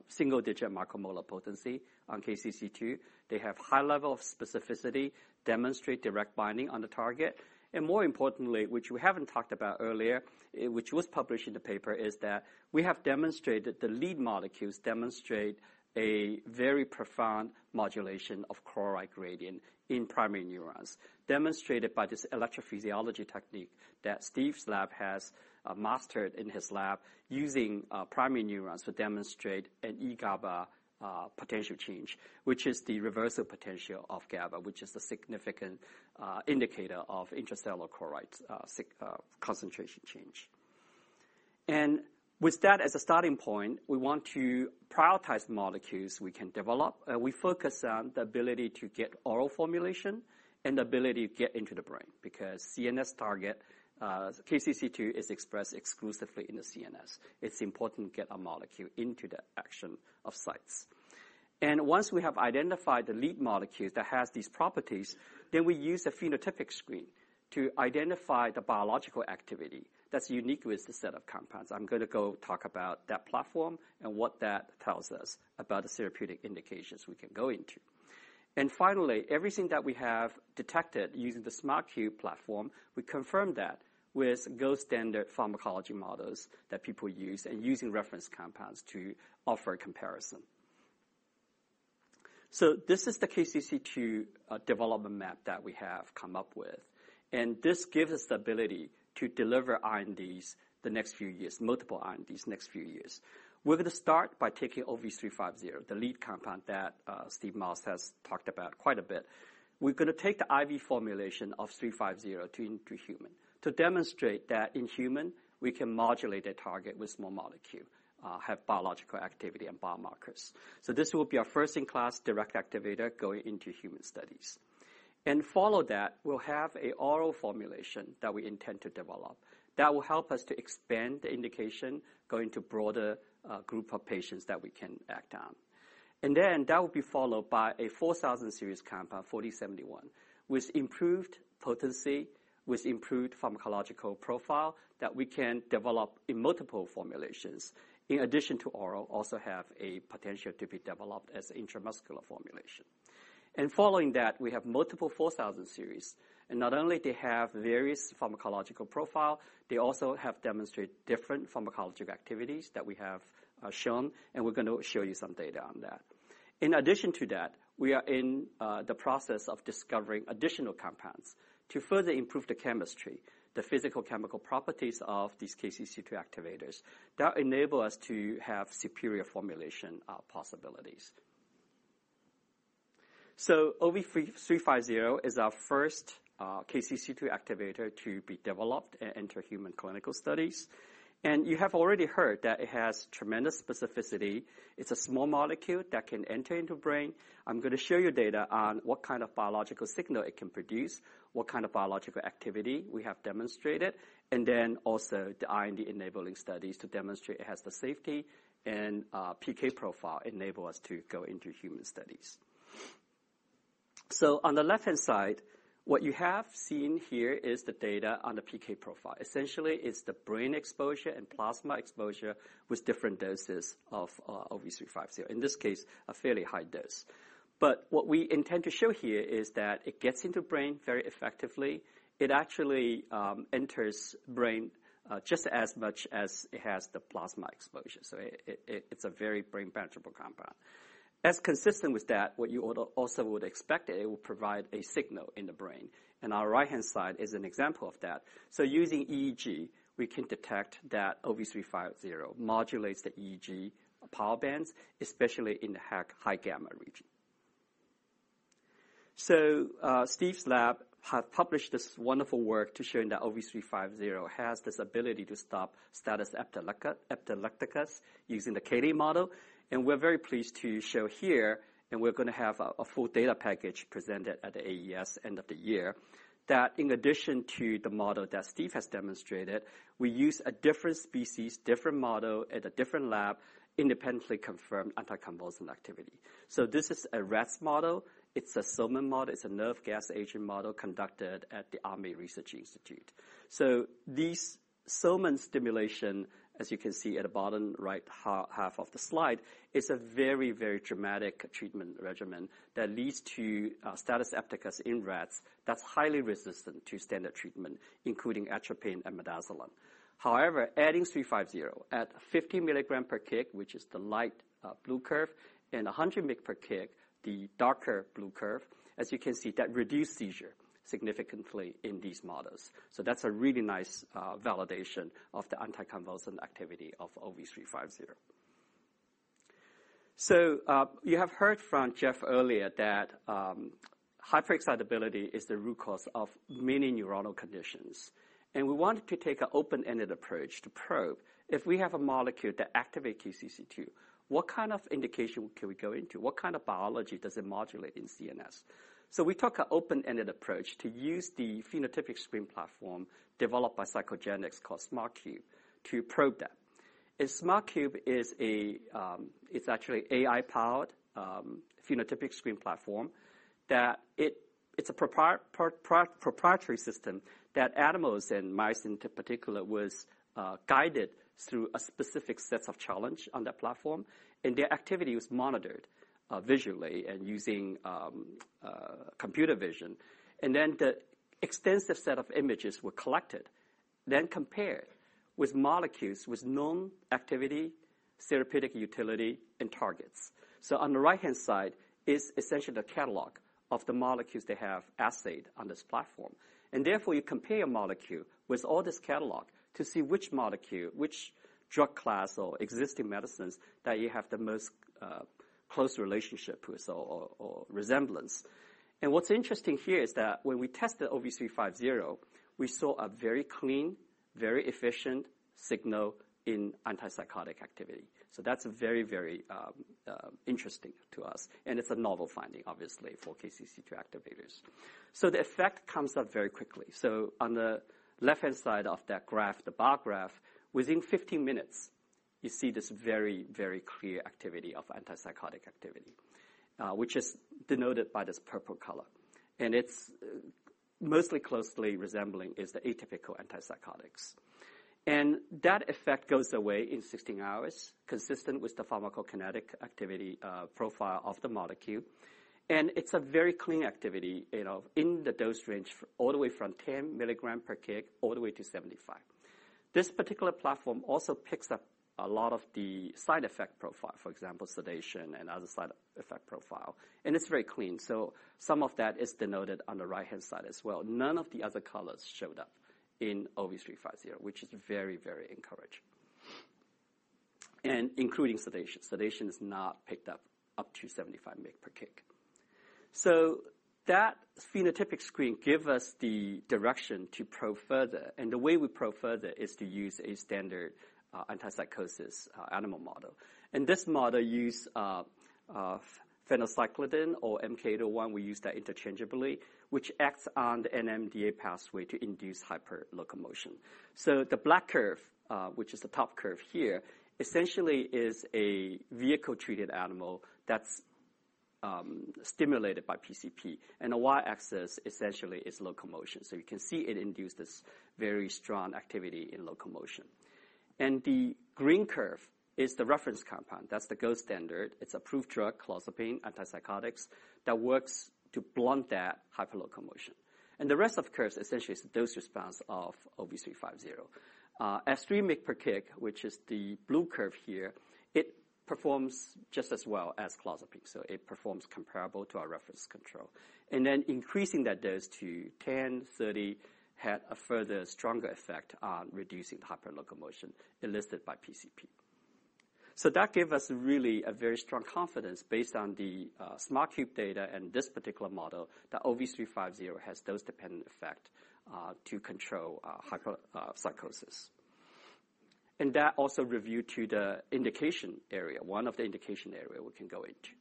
single-digit micromolar potency on KCC2. They have a high level of specificity, demonstrate direct binding on the target. And more importantly, which we haven't talked about earlier, which was published in the paper, is that we have demonstrated the lead molecules demonstrate a very profound modulation of chloride gradient in primary neurons, demonstrated by this electrophysiology technique that Steve's lab has mastered in his lab using primary neurons to demonstrate an EGABA potential change, which is the reversal potential of GABA, which is a significant indicator of intracellular chloride concentration change. And with that as a starting point, we want to prioritize molecules we can develop. We focus on the ability to get oral formulation and the ability to get into the brain because CNS target KCC2 is expressed exclusively in the CNS. It's important to get a molecule into the action of sites. Once we have identified the lead molecules that have these properties, then we use a phenotypic screen to identify the biological activity that's unique with this set of compounds. I'm going to go talk about that platform and what that tells us about the therapeutic indications we can go into. Finally, everything that we have detected using the SmartCube platform, we confirm that with gold-standard pharmacology models that people use and using reference compounds to offer a comparison. This is the KCC2 development map that we have come up with. This gives us the ability to deliver INDs the next few years, multiple INDs the next few years. We're going to start by taking OV350, the lead compound that Steve Moss has talked about quite a bit. We're going to take the IV formulation of OV350 into human to demonstrate that in human, we can modulate a target with small molecules, have biological activity and biomarkers. So this will be our first-in-class direct activator going into human studies. And follow that, we'll have an oral formulation that we intend to develop that will help us to expand the indication going to a broader group of patients that we can act on. And then that will be followed by an OV4000 series compound, OV4071, with improved potency, with improved pharmacological profile that we can develop in multiple formulations in addition to oral, also have a potential to be developed as an intramuscular formulation. And following that, we have multiple 4000 series. And not only do they have various pharmacological profiles, they also have demonstrated different pharmacological activities that we have shown. And we're going to show you some data on that. In addition to that, we are in the process of discovering additional compounds to further improve the chemistry, the physicochemical properties of these KCC2 activators that enable us to have superior formulation possibilities. So OV350 is our first KCC2 activator to be developed and enter human clinical studies. And you have already heard that it has tremendous specificity. It's a small molecule that can enter into the brain. I'm going to show you data on what kind of biological signal it can produce, what kind of biological activity we have demonstrated, and then also the IND enabling studies to demonstrate it has the safety and PK profile enable us to go into human studies. So on the left-hand side, what you have seen here is the data on the PK profile. Essentially, it's the brain exposure and plasma exposure with different doses of OV350, in this case, a fairly high dose. But what we intend to show here is that it gets into the brain very effectively. It actually enters the brain just as much as it has the plasma exposure. So it's a very brain-penetrant compound. As consistent with that, what you also would expect, it will provide a signal in the brain. And our right-hand side is an example of that. So using EEG, we can detect that OV350 modulates the EEG power bands, especially in the high gamma region. So Steve's lab has published this wonderful work to show that OV350 has this ability to stop status epilepticus using the KD model. We're very pleased to show here, and we're going to have a full data package presented at the AES end of the year, that in addition to the model that Steve has demonstrated, we use a different species, different model at a different lab, independently confirmed anticonvulsant activity. This is a rats model. It's a soman model. It's a nerve gas agent model conducted at the Army Research Institute. This soman stimulation, as you can see at the bottom right half of the slide, is a very, very dramatic treatment regimen that leads to status epilepticus in rats that's highly resistant to standard treatment, including atropine and midazolam. However, adding 350 at 50 mg/kg, which is the light blue curve, and 100 mg/kg, the darker blue curve, as you can see, that reduced seizure significantly in these models. That's a really nice validation of the anticonvulsant activity of OV350. You have heard from Jeff earlier that hyper-excitability is the root cause of many neuronal conditions. We wanted to take an open-ended approach to probe if we have a molecule that activates KCC2, what kind of indication can we go into? What kind of biology does it modulate in CNS? We took an open-ended approach to use the phenotypic screen platform developed by PsychoGenics called SmartCube to probe that. SmartCube is actually an AI-powered phenotypic screen platform that it's a proprietary system that animals and mice in particular were guided through a specific set of challenges on that platform. Their activity was monitored visually and using computer vision. Then the extensive set of images were collected, then compared with molecules with known activity, therapeutic utility, and targets. On the right-hand side is essentially the catalog of the molecules that have assayed on this platform. And therefore, you compare a molecule with all this catalog to see which molecule, which drug class or existing medicines that you have the most close relationship with or resemblance. And what's interesting here is that when we tested OV350, we saw a very clean, very efficient signal in antipsychotic activity. So that's very, very interesting to us. And it's a novel finding, obviously, for KCC2 activators. So the effect comes up very quickly. So on the left-hand side of that graph, the bar graph, within 15 minutes, you see this very, very clear activity of antipsychotic activity, which is denoted by this purple color. And it's mostly closely resembling the atypical antipsychotics. And that effect goes away in 16 hours, consistent with the pharmacokinetic activity profile of the molecule. And it's a very clean activity in the dose range all the way from 10 mg/kg all the way to 75 mg/kg. This particular platform also picks up a lot of the side effect profile, for example, sedation and other side effect profile. And it's very clean. So some of that is denoted on the right-hand side as well. None of the other colors showed up in OV350, which is very, very encouraging, including sedation. Sedation is not picked up up to 75 mg/kg. So that phenotypic screen gives us the direction to probe further. And the way we probe further is to use a standard antipsychotic animal model. And this model uses phencyclidine or MK-801. We use that interchangeably, which acts on the NMDA pathway to induce hyperlocomotion. So the black curve, which is the top curve here, essentially is a vehicle-treated animal that's stimulated by PCP. And the y-axis essentially is locomotion. So you can see it induces this very strong activity in locomotion. And the green curve is the reference compound. That's the gold standard. It's approved drug, clozapine, antipsychotics that works to blunt that hyperlocomotion. And the rest of the curve essentially is the dose response of OV350. At 3 mg/kg, which is the blue curve here, it performs just as well as clozapine. So it performs comparable to our reference control. And then increasing that dose to 10 mg/kg, 30 mg/kg had a further stronger effect on reducing the hyperlocomotion elicited by PCP. So that gave us really a very strong confidence based on thev SmartCube data and this particular model that OV350 has dose-dependent effect to control hyperpsychosis. That also relates to the indication area, one of the indication areas we can go into.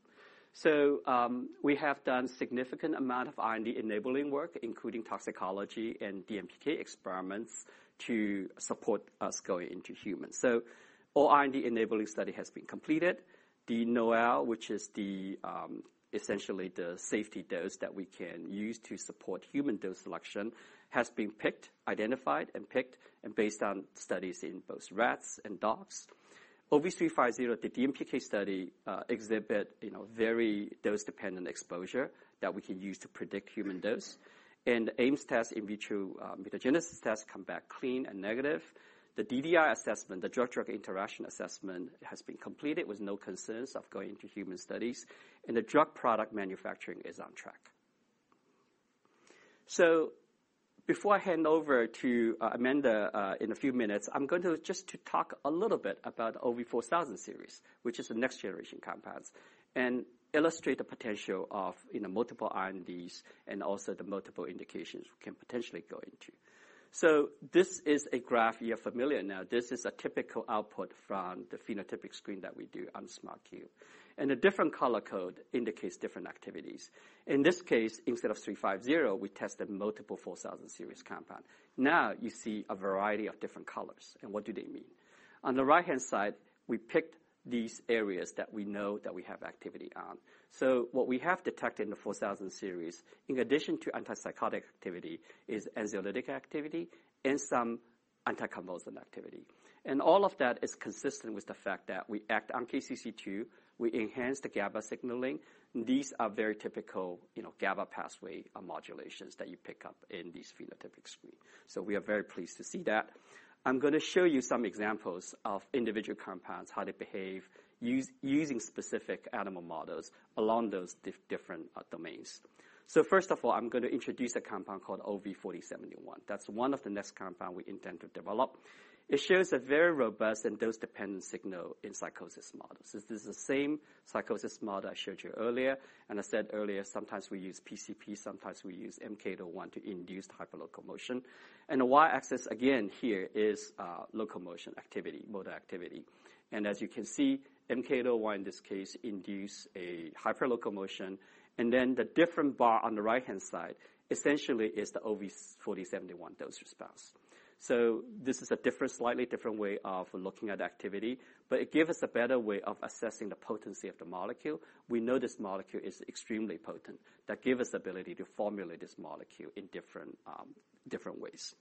We have done a significant amount of IND-enabling work, including toxicology and DMPK experiments to support us going into humans. All IND-enabling study has been completed. The NOAEL, which is essentially the safety dose that we can use to support human dose selection, has been picked, identified, and based on studies in both rats and dogs. OV350, the DMPK study exhibits very dose-dependent exposure that we can use to predict human dose. The Ames test in vitro mutagenesis tests come back clean and negative. The DDI assessment, the drug-drug interaction assessment, has been completed with no concerns of going into human studies. The drug product manufacturing is on track. So before I hand over to Amanda in a few minutes, I'm going to just talk a little bit about OV4000 series, which is the next-generation compounds, and illustrate the potential of multiple INDs and also the multiple indications we can potentially go into. So this is a graph you're familiar now. This is a typical output from the phenotypic screen that we do on SmartCube. And the different color code indicates different activities. In this case, instead of 350, we tested multiple 4000 series compounds. Now you see a variety of different colors. And what do they mean? On the right-hand side, we picked these areas that we know that we have activity on. So what we have detected in the 4000 series, in addition to antipsychotic activity, is anxiolytic activity and some anticonvulsant activity. And all of that is consistent with the fact that we act on KCC2. We enhance the GABA signaling. These are very typical GABA pathway modulations that you pick up in these phenotypic screens. So we are very pleased to see that. I'm going to show you some examples of individual compounds, how they behave using specific animal models along those different domains. So first of all, I'm going to introduce a compound called OV4071. That's one of the next compounds we intend to develop. It shows a very robust and dose-dependent signal in psychosis models. This is the same psychosis model I showed you earlier. And I said earlier, sometimes we use PCP, sometimes we use MK-801 to induce hyperlocomotion. And the y-axis, again, here is locomotion activity, motor activity. And as you can see, MK-801 in this case induces a hyperlocomotion. And then the different bar on the right-hand side essentially is the OV4071 dose response. So this is a slightly different way of looking at activity. But it gives us a better way of assessing the potency of the molecule. We know this molecule is extremely potent. That gives us the ability to formulate this molecule in different ways.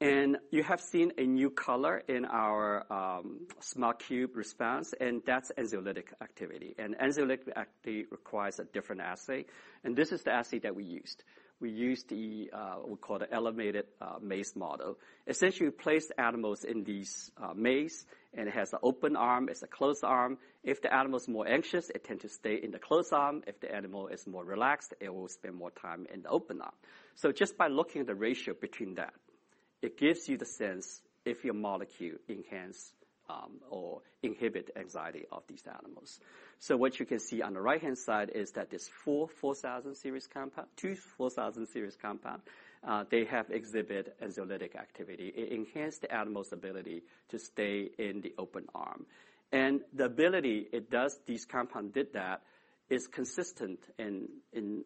And you have seen a new color in our SmartCube response. And that's anxiolytic activity. And anxiolytic activity requires a different assay. And this is the assay that we used. We used what we call the elevated plus maze model. Essentially, we placed animals in this maze. And it has an open arm. It's a closed arm. If the animal is more anxious, it tends to stay in the closed arm. If the animal is more relaxed, it will spend more time in the open arm. So just by looking at the ratio between that, it gives you the sense if your molecule enhances or inhibits the anxiety of these animals. So what you can see on the right-hand side is that this 4000 series compound, two 4000 series compounds, they have exhibited anxiolytic activity. It enhanced the animal's ability to stay in the open arm. And the ability it does, these compounds did that, is consistent in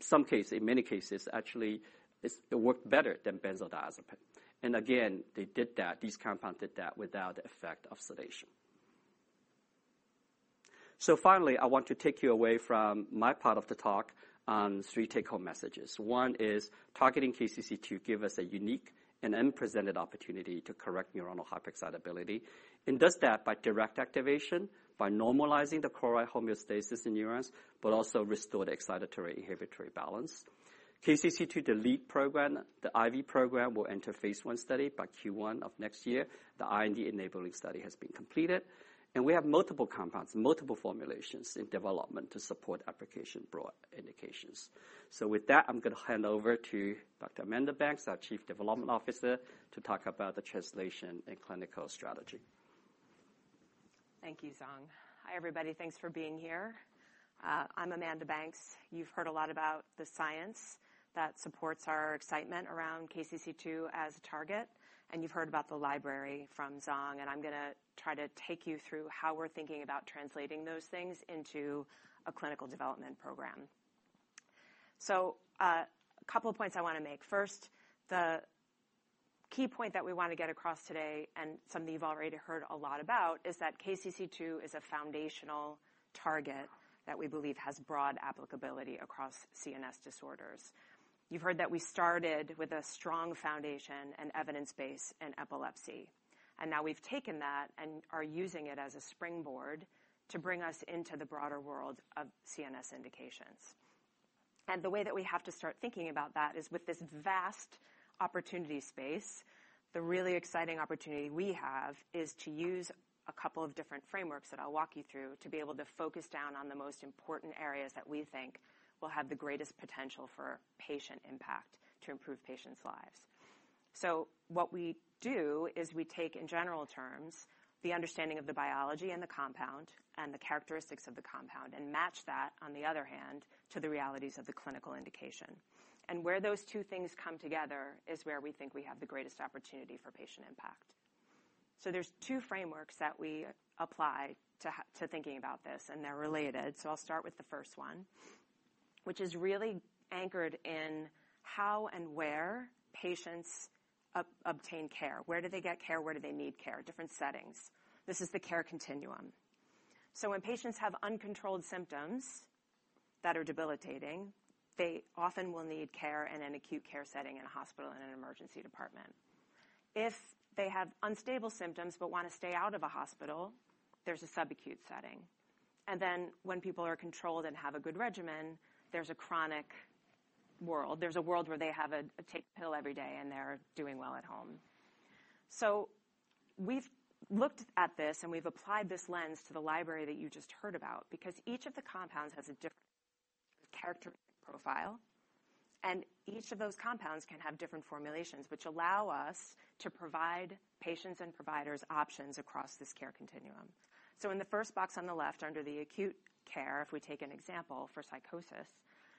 some cases. In many cases, actually, it worked better than benzodiazepine. And again, they did that. These compounds did that without the effect of sedation. So finally, I want to take you away from my part of the talk on three take-home messages. One is targeting KCC2 gives us a unique and unprecedented opportunity to correct neuronal hyper-excitability. And does that by direct activation, by normalizing the chloride homeostasis in neurons, but also restore the excitatory-inhibitory balance. KCC2 the lead program, the IV program will enter phase I study by Q1 of next year. The IND-enabling study has been completed. And we have multiple compounds, multiple formulations in development to support application broad indications. So with that, I'm going to hand over to Dr. Amanda Banks, our Chief Development Officer, to talk about the translation and clinical strategy. Thank you, Zhong. Hi, everybody. Thanks for being here. I'm Amanda Banks. You've heard a lot about the science that supports our excitement around KCC2 as a target. And you've heard about the library from Zhong. And I'm going to try to take you through how we're thinking about translating those things into a Clinical Development Program. So a couple of points I want to make. First, the key point that we want to get across today and something you've already heard a lot about is that KCC2 is a foundational target that we believe has broad applicability across CNS disorders. You've heard that we started with a strong foundation and evidence base in epilepsy, and now we've taken that and are using it as a springboard to bring us into the broader world of CNS indications, and the way that we have to start thinking about that is with this vast opportunity space. The really exciting opportunity we have is to use a couple of different frameworks that I'll walk you through to be able to focus down on the most important areas that we think will have the greatest potential for patient impact to improve patients' lives. So what we do is we take, in general terms, the understanding of the biology and the compound and the characteristics of the compound and match that, on the other hand, to the realities of the clinical indication. And where those two things come together is where we think we have the greatest opportunity for patient impact. So there's two frameworks that we apply to thinking about this. And they're related. So I'll start with the first one, which is really anchored in how and where patients obtain care. Where do they get care? Where do they need care? Different settings. This is the care continuum. So when patients have uncontrolled symptoms that are debilitating, they often will need care in an acute care setting, in a hospital, in an emergency department. If they have unstable symptoms but want to stay out of a hospital, there's a subacute setting. And then when people are controlled and have a good regimen, there's a chronic world. There's a world where they have to take a pill every day and they're doing well at home. So we've looked at this and we've applied this lens to the library that you just heard about because each of the compounds has a different characteristic profile. And each of those compounds can have different formulations, which allow us to provide patients and providers options across this care continuum. So in the first box on the left under the acute care, if we take an example for psychosis,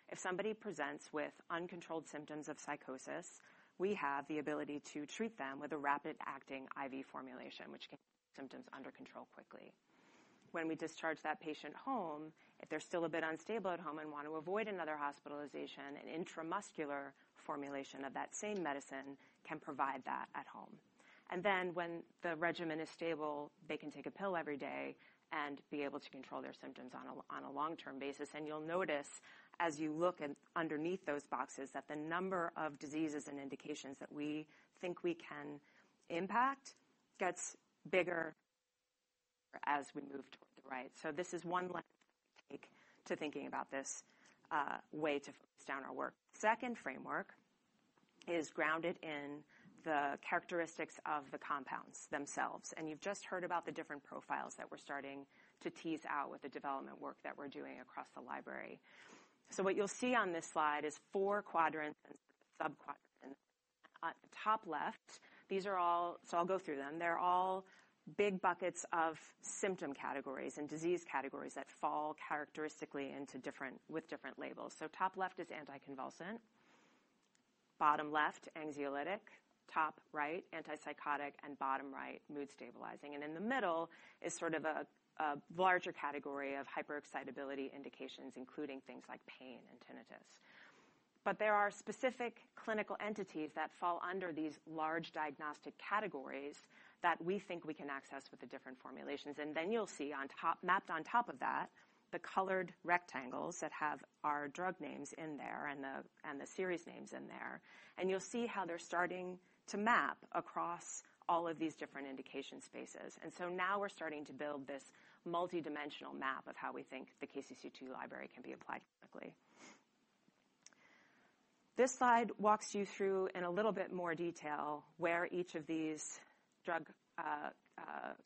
if somebody presents with uncontrolled symptoms of psychosis, we have the ability to treat them with a rapid-acting IV formulation, which can keep symptoms under control quickly. When we discharge that patient home, if they're still a bit unstable at home and want to avoid another hospitalization, an intramuscular formulation of that same medicine can provide that at home, and then when the regimen is stable, they can take a pill every day and be able to control their symptoms on a long-term basis, and you'll notice, as you look underneath those boxes, that the number of diseases and indications that we think we can impact gets bigger as we move toward the right, so this is one lens we take to thinking about this way to focus down our work. The second framework is grounded in the characteristics of the compounds themselves, and you've just heard about the different profiles that we're starting to tease out with the development work that we're doing across the library. So what you'll see on this slide is four quadrants and subquadrants. On the top left, these are all, so I'll go through them. They're all big buckets of symptom categories and disease categories that fall characteristically with different labels, so top left is anticonvulsant, bottom left anxiolytic, top right antipsychotic, and bottom right mood stabilizing, and in the middle is sort of a larger category of hyper-excitability indications, including things like pain and tinnitus, but there are specific clinical entities that fall under these large diagnostic categories that we think we can access with the different formulations, and then you'll see mapped on top of that the colored rectangles that have our drug names in there and the series names in there, and you'll see how they're starting to map across all of these different indication spaces. Now we're starting to build this multidimensional map of how we think the KCC2 library can be applied clinically. This slide walks you through in a little bit more detail where each of these drug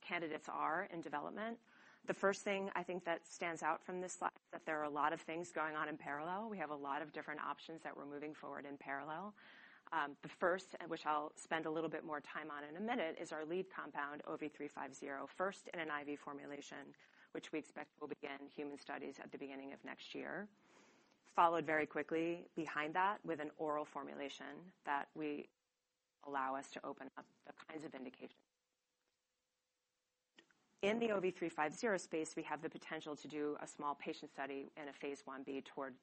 candidates are in development. The first thing I think that stands out from this slide is that there are a lot of things going on in parallel. We have a lot of different options that we're moving forward in parallel. The first, which I'll spend a little bit more time on in a minute, is our lead compound, OV350, first in an IV formulation, which we expect will begin human studies at the beginning of next year, followed very quickly behind that with an oral formulation that will allow us to open up the kinds of indications. In the OV350 space, we have the potential to do a small patient study in a phase I-B toward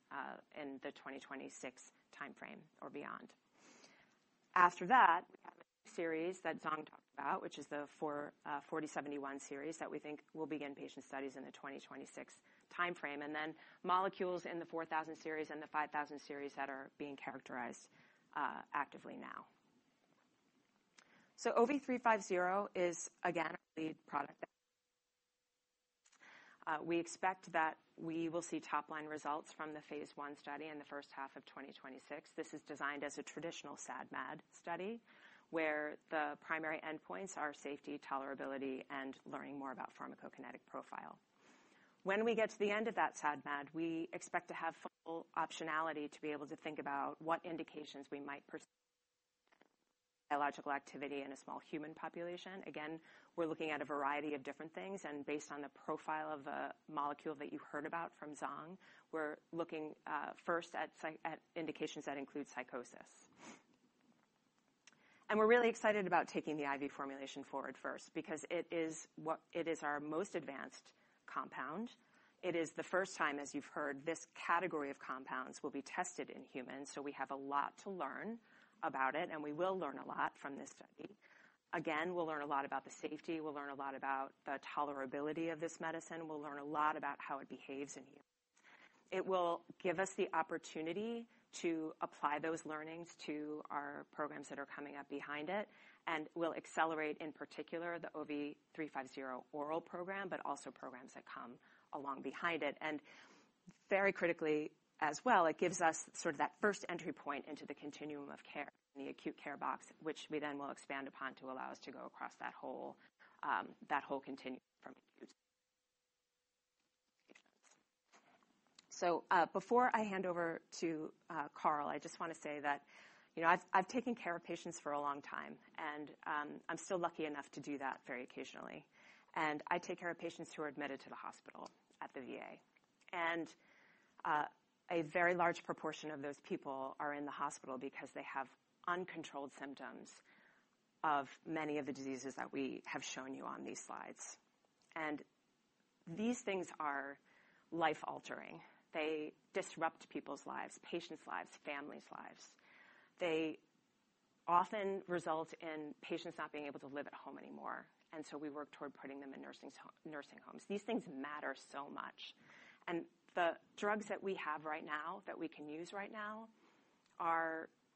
in the 2026 time frame or beyond. After that, we have a series that Zhong talked about, which is the OV4071 series that we think will begin patient studies in the 2026 time frame, and then molecules in the 4000 series and the 5000 series that are being characterized actively now, so OV350 is, again, our lead product. We expect that we will see top-line results from the phase I study in the first half of 2026. This is designed as a traditional SAD-MAD study where the primary endpoints are safety, tolerability, and learning more about pharmacokinetic profile. When we get to the end of that SAD-MAD, we expect to have full optionality to be able to think about what indications we might perceive as biological activity in a small human population. Again, we're looking at a variety of different things, and based on the profile of the molecule that you heard about from Zhong, we're looking first at indications that include psychosis, and we're really excited about taking the IV formulation forward first because it is our most advanced compound. It is the first time, as you've heard, this category of compounds will be tested in humans, so we have a lot to learn about it, and we will learn a lot from this study. Again, we'll learn a lot about the safety. We'll learn a lot about the tolerability of this medicine. We'll learn a lot about how it behaves in humans. It will give us the opportunity to apply those learnings to our programs that are coming up behind it. And we'll accelerate, in particular, the OV350 oral program, but also programs that come along behind it. And very critically as well, it gives us sort of that first entry point into the continuum of care in the acute care box, which we then will expand upon to allow us to go across that whole continuum from acute to patients. So before I hand over to Karl, I just want to say that I've taken care of patients for a long time. And I'm still lucky enough to do that very occasionally. And I take care of patients who are admitted to the hospital at the VA. And a very large proportion of those people are in the hospital because they have uncontrolled symptoms of many of the diseases that we have shown you on these slides. And these things are life-altering. They disrupt people's lives, patients' lives, families' lives. They often result in patients not being able to live at home anymore. And so we work toward putting them in nursing homes. These things matter so much. And the drugs that we have right now that we can use right now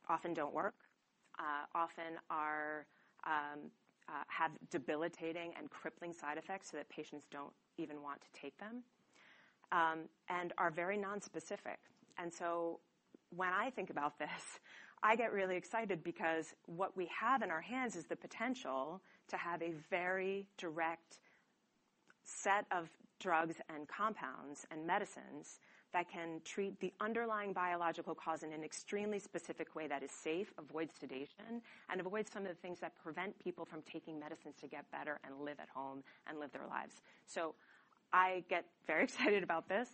often don't work, often have debilitating and crippling side effects so that patients don't even want to take them, and are very nonspecific. And so when I think about this, I get really excited because what we have in our hands is the potential to have a very direct set of drugs and compounds and medicines that can treat the underlying biological cause in an extremely specific way that is safe, avoids sedation, and avoids some of the things that prevent people from taking medicines to get better and live at home and live their lives. So I get very excited about this.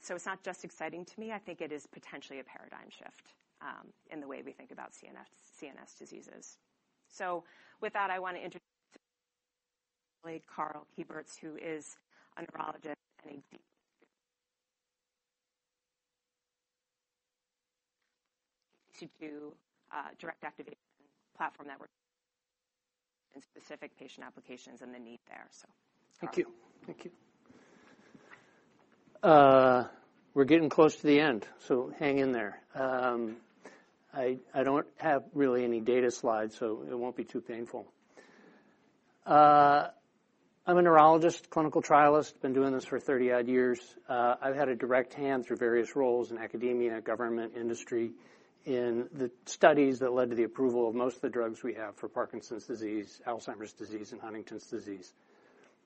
So it's not just exciting to me. I think it is potentially a paradigm shift in the way we think about CNS diseases. So with that, I want to introduce my colleague, Karl Kieburtz, who is a and a direct-activation platform that works in specific patient applications and the need there. Thank you. Thank you. We're getting close to the end. So hang in there. I don't have really any data slides, so it won't be too painful. I'm a Neurologist, Clinical Trialist. I've been doing this for 30-odd years. I've had a direct hand through various roles in academia, government, industry, in the studies that led to the approval of most of the drugs we have for Parkinson's disease, Alzheimer's disease, and Huntington's disease.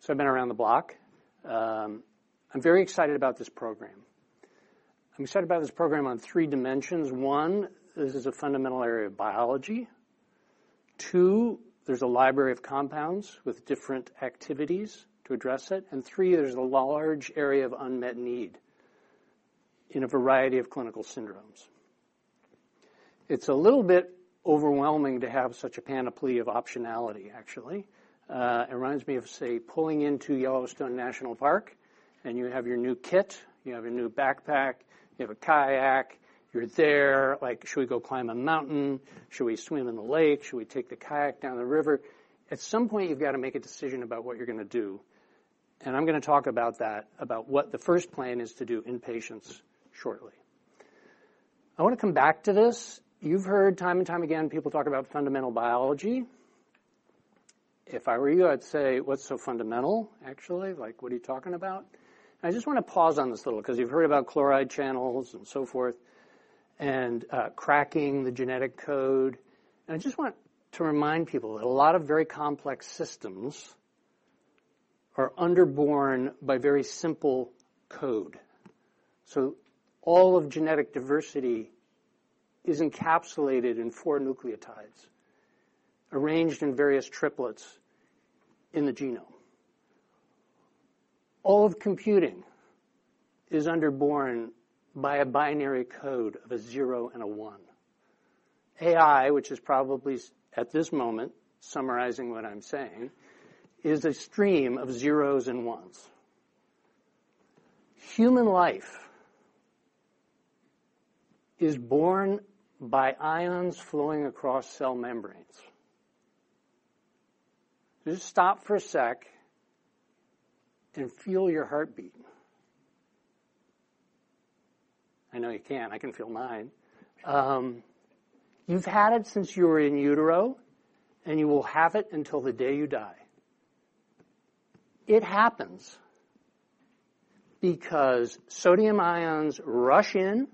So I've been around the block. I'm very excited about this program. I'm excited about this program on three dimensions. One, this is a fundamental area of biology. Two, there's a library of compounds with different activities to address it. And three, there's a large area of unmet need in a variety of clinical syndromes. It's a little bit overwhelming to have such a panoply of optionality, actually. It reminds me of, say, pulling into Yellowstone National Park, and you have your new kit, you have your new backpack, you have a kayak, you're there. Like, should we go climb a mountain? Should we swim in the lake? Should we take the kayak down the river? At some point, you've got to make a decision about what you're going to do. And I'm going to talk about that, about what the first plan is to do in patients shortly. I want to come back to this. You've heard time and time again people talk about fundamental biology. If I were you, I'd say, what's so fundamental, actually? Like, what are you talking about? And I just want to pause on this a little because you've heard about chloride channels and so forth and cracking the genetic code. And I just want to remind people that a lot of very complex systems are underborn by very simple code. So all of genetic diversity is encapsulated in four nucleotides arranged in various triplets in the genome. All of computing is underborn by a binary code of a zero and a one. AI, which is probably at this moment summarizing what I'm saying, is a stream of zeros and ones. Human life is born by ions flowing across cell membranes. Just stop for a sec and feel your heartbeat. I know you can't. I can feel mine. You've had it since you were in utero, and you will have it until the day you die. It happens because sodium ions rush in,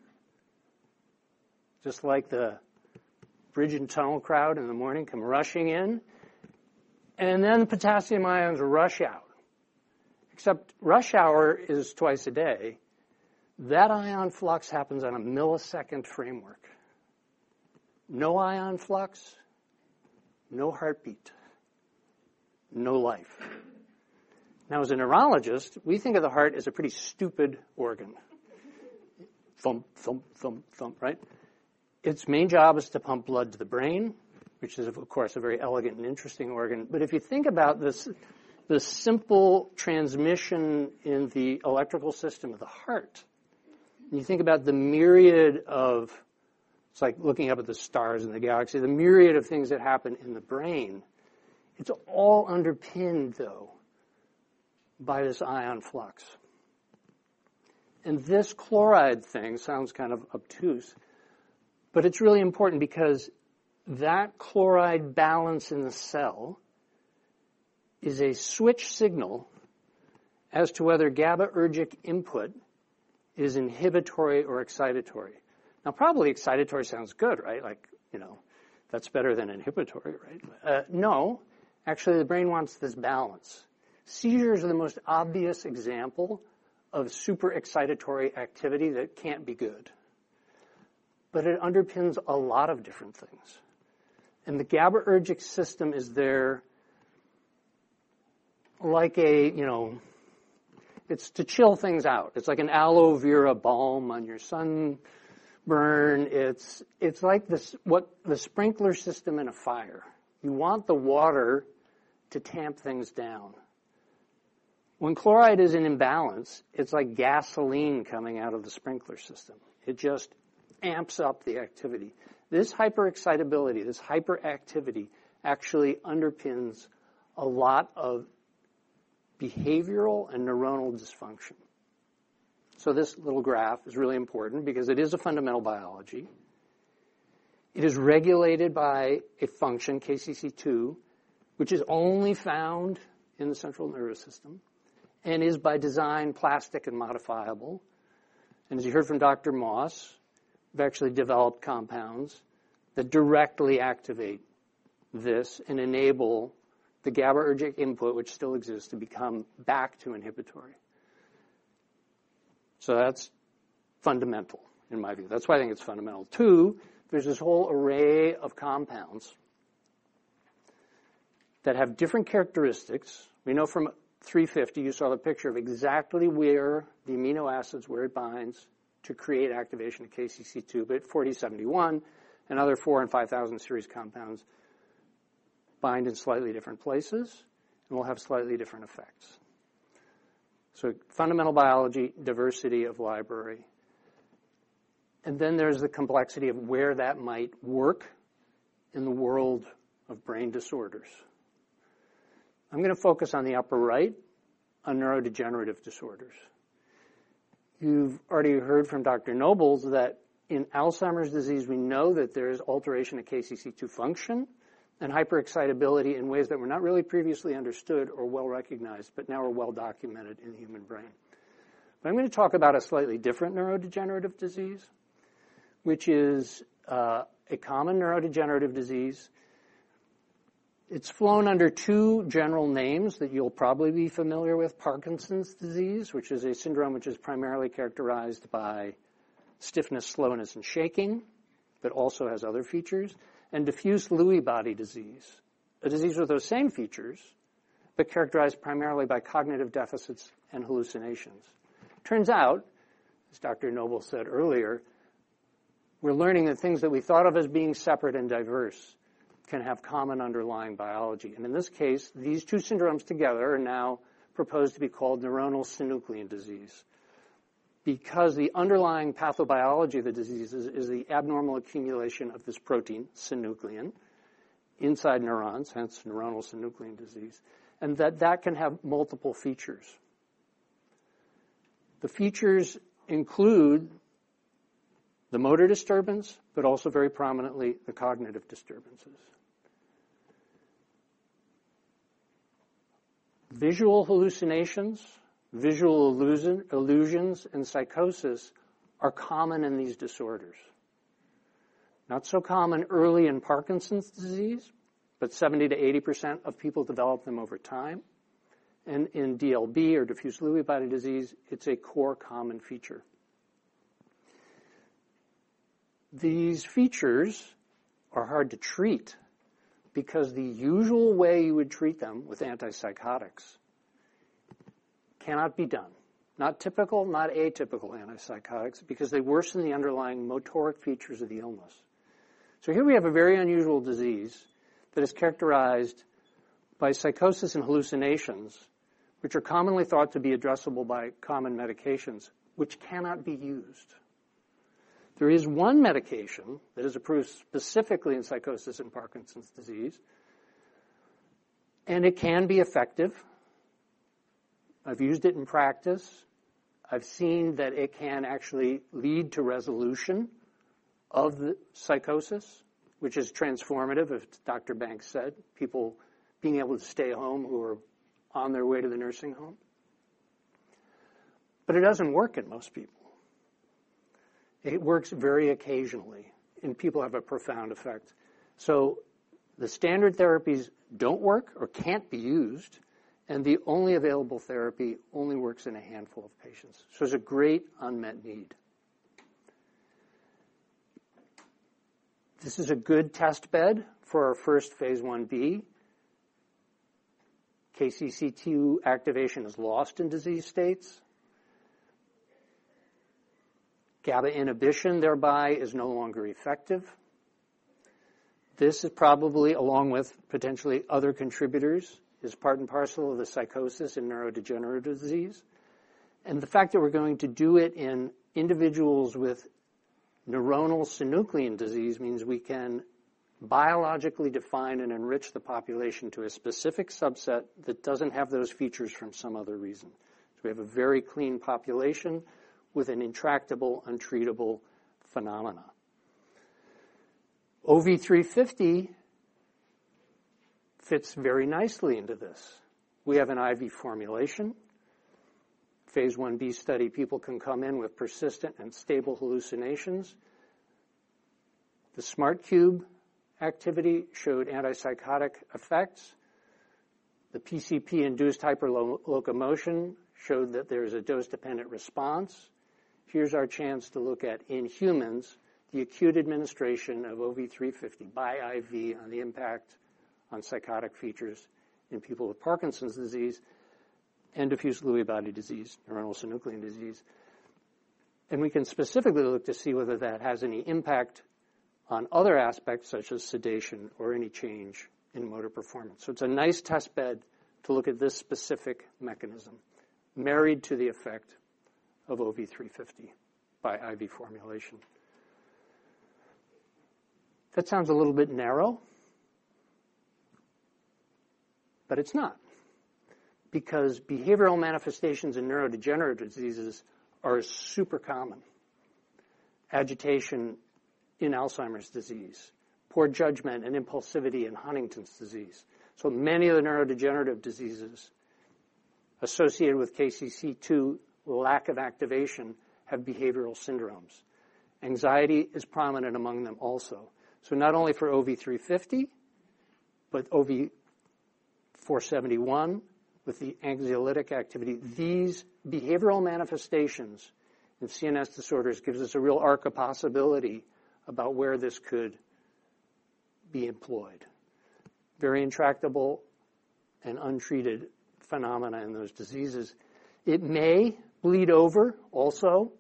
just like the bridge and tunnel crowd in the morning come rushing in. And then the potassium ions rush out. Except rush hour is twice a day. That ion flux happens on a millisecond timeframe. No ion flux, no heartbeat, no life. Now, as a Neurologist, we think of the heart as a pretty stupid organ. Thump, thump, thump, thump, right? Its main job is to pump blood to the brain, which is, of course, a very elegant and interesting organ, but if you think about this simple transmission in the electrical system of the heart, and you think about the myriad of, it's like looking up at the stars in the galaxy, the myriad of things that happen in the brain, it's all underpinned, though, by this ion flux, and this chloride thing sounds kind of obtuse, but it's really important because that chloride balance in the cell is a switch signal as to whether GABAergic input is inhibitory or excitatory. Now, probably excitatory sounds good, right? Like, that's better than inhibitory, right? No. Actually, the brain wants this balance. Seizures are the most obvious example of super excitatory activity that can't be good. But it underpins a lot of different things. And the GABAergic system is there like a, it's to chill things out. It's like an aloe vera balm on your sunburn. It's like the sprinkler system in a fire. You want the water to tamp things down. When chloride is in imbalance, it's like gasoline coming out of the sprinkler system. It just amps up the activity. This hyper-excitability, this hyperactivity actually underpins a lot of behavioral and neuronal dysfunction. So this little graph is really important because it is a fundamental biology. It is regulated by a function, KCC2, which is only found in the Central Nervous System and is by design plastic and modifiable. And as you heard from Dr. Moss, we've actually developed compounds that directly activate this and enable the GABAergic input, which still exists, to become back to inhibitory. So that's fundamental, in my view. That's why I think it's fundamental. Two, there's this whole array of compounds that have different characteristics. We know from 350, you saw the picture of exactly where the amino acids, where it binds to create activation of KCC2. But 4071 and other 4000 and 5000 series compounds bind in slightly different places and will have slightly different effects. So fundamental biology, diversity of library. And then there's the complexity of where that might work in the world of brain disorders. I'm going to focus on the upper right on neurodegenerative disorders. You've already heard from Dr. Noebels, that in Alzheimer's disease, we know that there is alteration of KCC2 function and hyper-excitability in ways that were not really previously understood or well recognized, but now are well documented in the human brain. But I'm going to talk about a slightly different neurodegenerative disease, which is a common neurodegenerative disease. It's flown under two general names that you'll probably be familiar with: Parkinson's disease, which is a syndrome that is primarily characterized by stiffness, slowness, and shaking, but also has other features, and Diffuse Lewy Body Disease, a disease with those same features but characterized primarily by cognitive deficits and hallucinations. Turns out, as Dr. Noebels said earlier, we're learning that things that we thought of as being separate and diverse can have common underlying biology. And in this case, these two syndromes together are now Neuronal Synuclein Disease because the underlying pathobiology of the disease is the abnormal accumulation of this protein, Neuronal Synuclein Disease, and that that can have multiple features. The features include the motor disturbance, but also very prominently the cognitive disturbances. Visual hallucinations, visual illusions, and psychosis are common in these disorders. Not so common early in Parkinson's disease, but 70%-80% of people develop them over time. And in DLBD or Diffuse Lewy Body Disease, it's a core common feature. These features are hard to treat because the usual way you would treat them with antipsychotics cannot be done. Not typical, not atypical antipsychotics, because they worsen the underlying motoric features of the illness. So here we have a very unusual disease that is characterized by psychosis and hallucinations, which are commonly thought to be addressable by common medications, which cannot be used. There is one medication that is approved specifically in psychosis and Parkinson's disease, and it can be effective. I've used it in practice. I've seen that it can actually lead to resolution of the psychosis, which is transformative, as Dr. Banks said, people being able to stay home who are on their way to the nursing home. But it doesn't work in most people. It works very occasionally, and people have a profound effect. So the standard therapies don't work or can't be used, and the only available therapy only works in a handful of patients. So it's a great unmet need. This is a good test bed for our first phase I-b. KCC2 activation is lost in disease states. GABA inhibition thereby is no longer effective. This is probably, along with potentially other contributors, is part and parcel of the psychosis and neurodegenerative disease. The fact that we're going to do Neuronal Synuclein Disease means we can biologically define and enrich the population to a specific subset that doesn't have those features from some other reason. We have a very clean population with an intractable, untreatable phenomenon. OV350 fits very nicely into this. We have an IV formulation. phase I-B study, people can come in with persistent and stable hallucinations. The SmartCube activity showed antipsychotic effects. The PCP-induced hyperlocomotion showed that there is a dose-dependent response. Here's our chance to look at in humans the acute administration of OV350 by IV on the impact on psychotic features in people with Parkinson's disease and diffuse lewy body disease, Neuronal Synuclein Disease. We can specifically look to see whether that has any impact on other aspects such as sedation or any change in motor performance. So it's a nice test bed to look at this specific mechanism married to the effect of OV350 by IV formulation. That sounds a little bit narrow, but it's not because behavioral manifestations in neurodegenerative diseases are super common. Agitation in Alzheimer's disease, poor judgment, and impulsivity in Huntington's disease. So many of the neurodegenerative diseases associated with KCC2 lack of activation have behavioral syndromes. Anxiety is prominent among them also. So not only for OV350, but OV4071 with the anxiolytic activity. These behavioral manifestations in CNS disorders gives us a real arc of possibility about where this could be employed. Very intractable and untreated phenomena in those diseases. It may bleed over also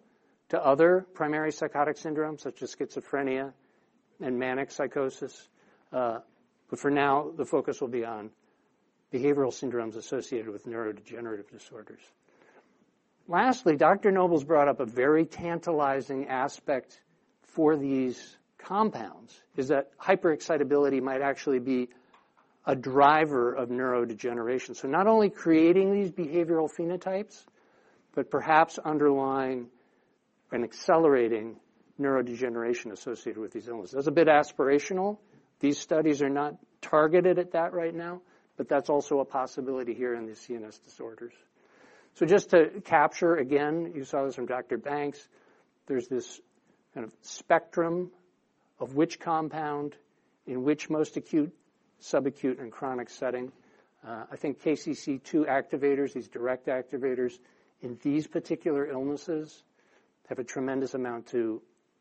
to other primary psychotic syndromes such as schizophrenia and manic psychosis. But for now, the focus will be on behavioral syndromes associated with neurodegenerative disorders. Lastly, Dr. Noebels brought up a very tantalizing aspect for these compounds: is that hyper-excitability might actually be a driver of neurodegeneration. So not only creating these behavioral phenotypes, but perhaps underlying and accelerating neurodegeneration associated with these illnesses. That's a bit aspirational. These studies are not targeted at that right now, but that's also a possibility here in the CNS disorders. So just to capture, again, you saw this from Dr. Banks: there's this kind of spectrum of which compound in which most acute, subacute, and chronic setting. I think KCC2 activators, these direct activators in these particular illnesses have a tremendous amount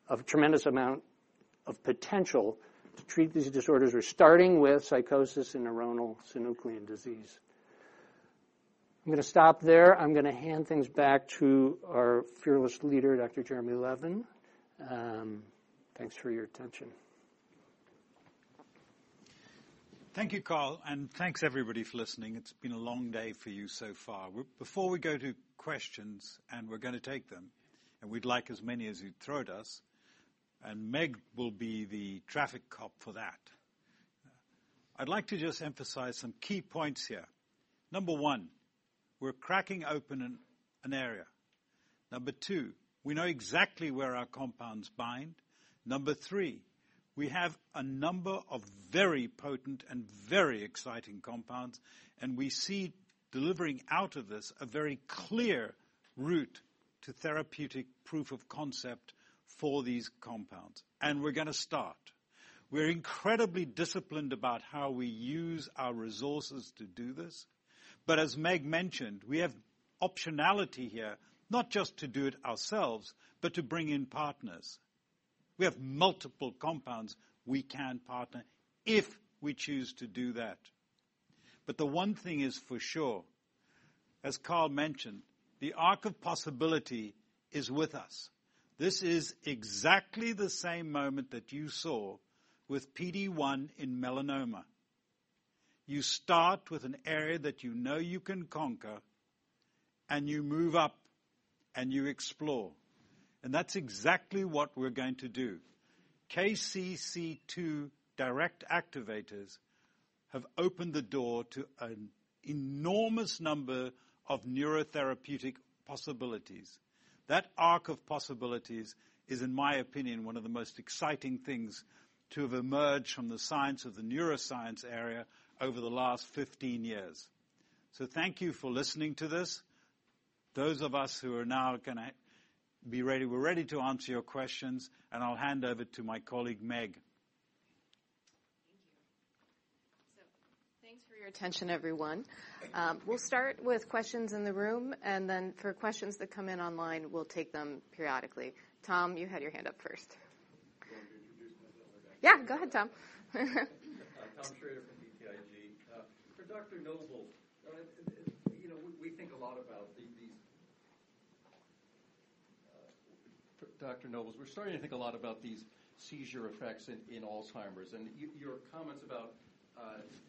of potential to treat these disorders, Neuronal Synuclein Disease. i'm going to stop there. I'm going to hand things back to our fearless leader, Dr. Jeremy Levin. Thanks for your attention. Thank you, Karl, and thanks everybody for listening. It's been a long day for you so far. Before we go to questions, and we're going to take them, and we'd like as many as you throw at us, and Meg will be the traffic cop for that. I'd like to just emphasize some key points here. Number one, we're cracking open an area. Number two, we know exactly where our compounds bind. Number three, we have a number of very potent and very exciting compounds, and we see delivering out of this a very clear route to therapeutic proof of concept for these compounds, and we're going to start. We're incredibly disciplined about how we use our resources to do this, but as Meg mentioned, we have optionality here, not just to do it ourselves, but to bring in partners. We have multiple compounds we can partner if we choose to do that. But the one thing is for sure, as Karl mentioned, the arc of possibility is with us. This is exactly the same moment that you saw with PD-1 in melanoma. You start with an area that you know you can conquer, and you move up, and you explore. And that's exactly what we're going to do. KCC2 direct activators have opened the door to an enormous number of neurotherapeutic possibilities. That arc of possibilities is, in my opinion, one of the most exciting things to have emerged from the science of the neuroscience area over the last 15 years. So thank you for listening to this. Those of us who are now going to be ready, we're ready to answer your questions, and I'll hand over to my colleague, Meg. Thanks for your attention, everyone. We'll start with questions in the room, and then for questions that come in online, we'll take them periodically. Tom, you had your hand up first. Yeah, go ahead, Tom. Tom Schrader from BTIG. For Dr. Noebels, we're starting to think a lot about these seizure effects in Alzheimer's. Your comments about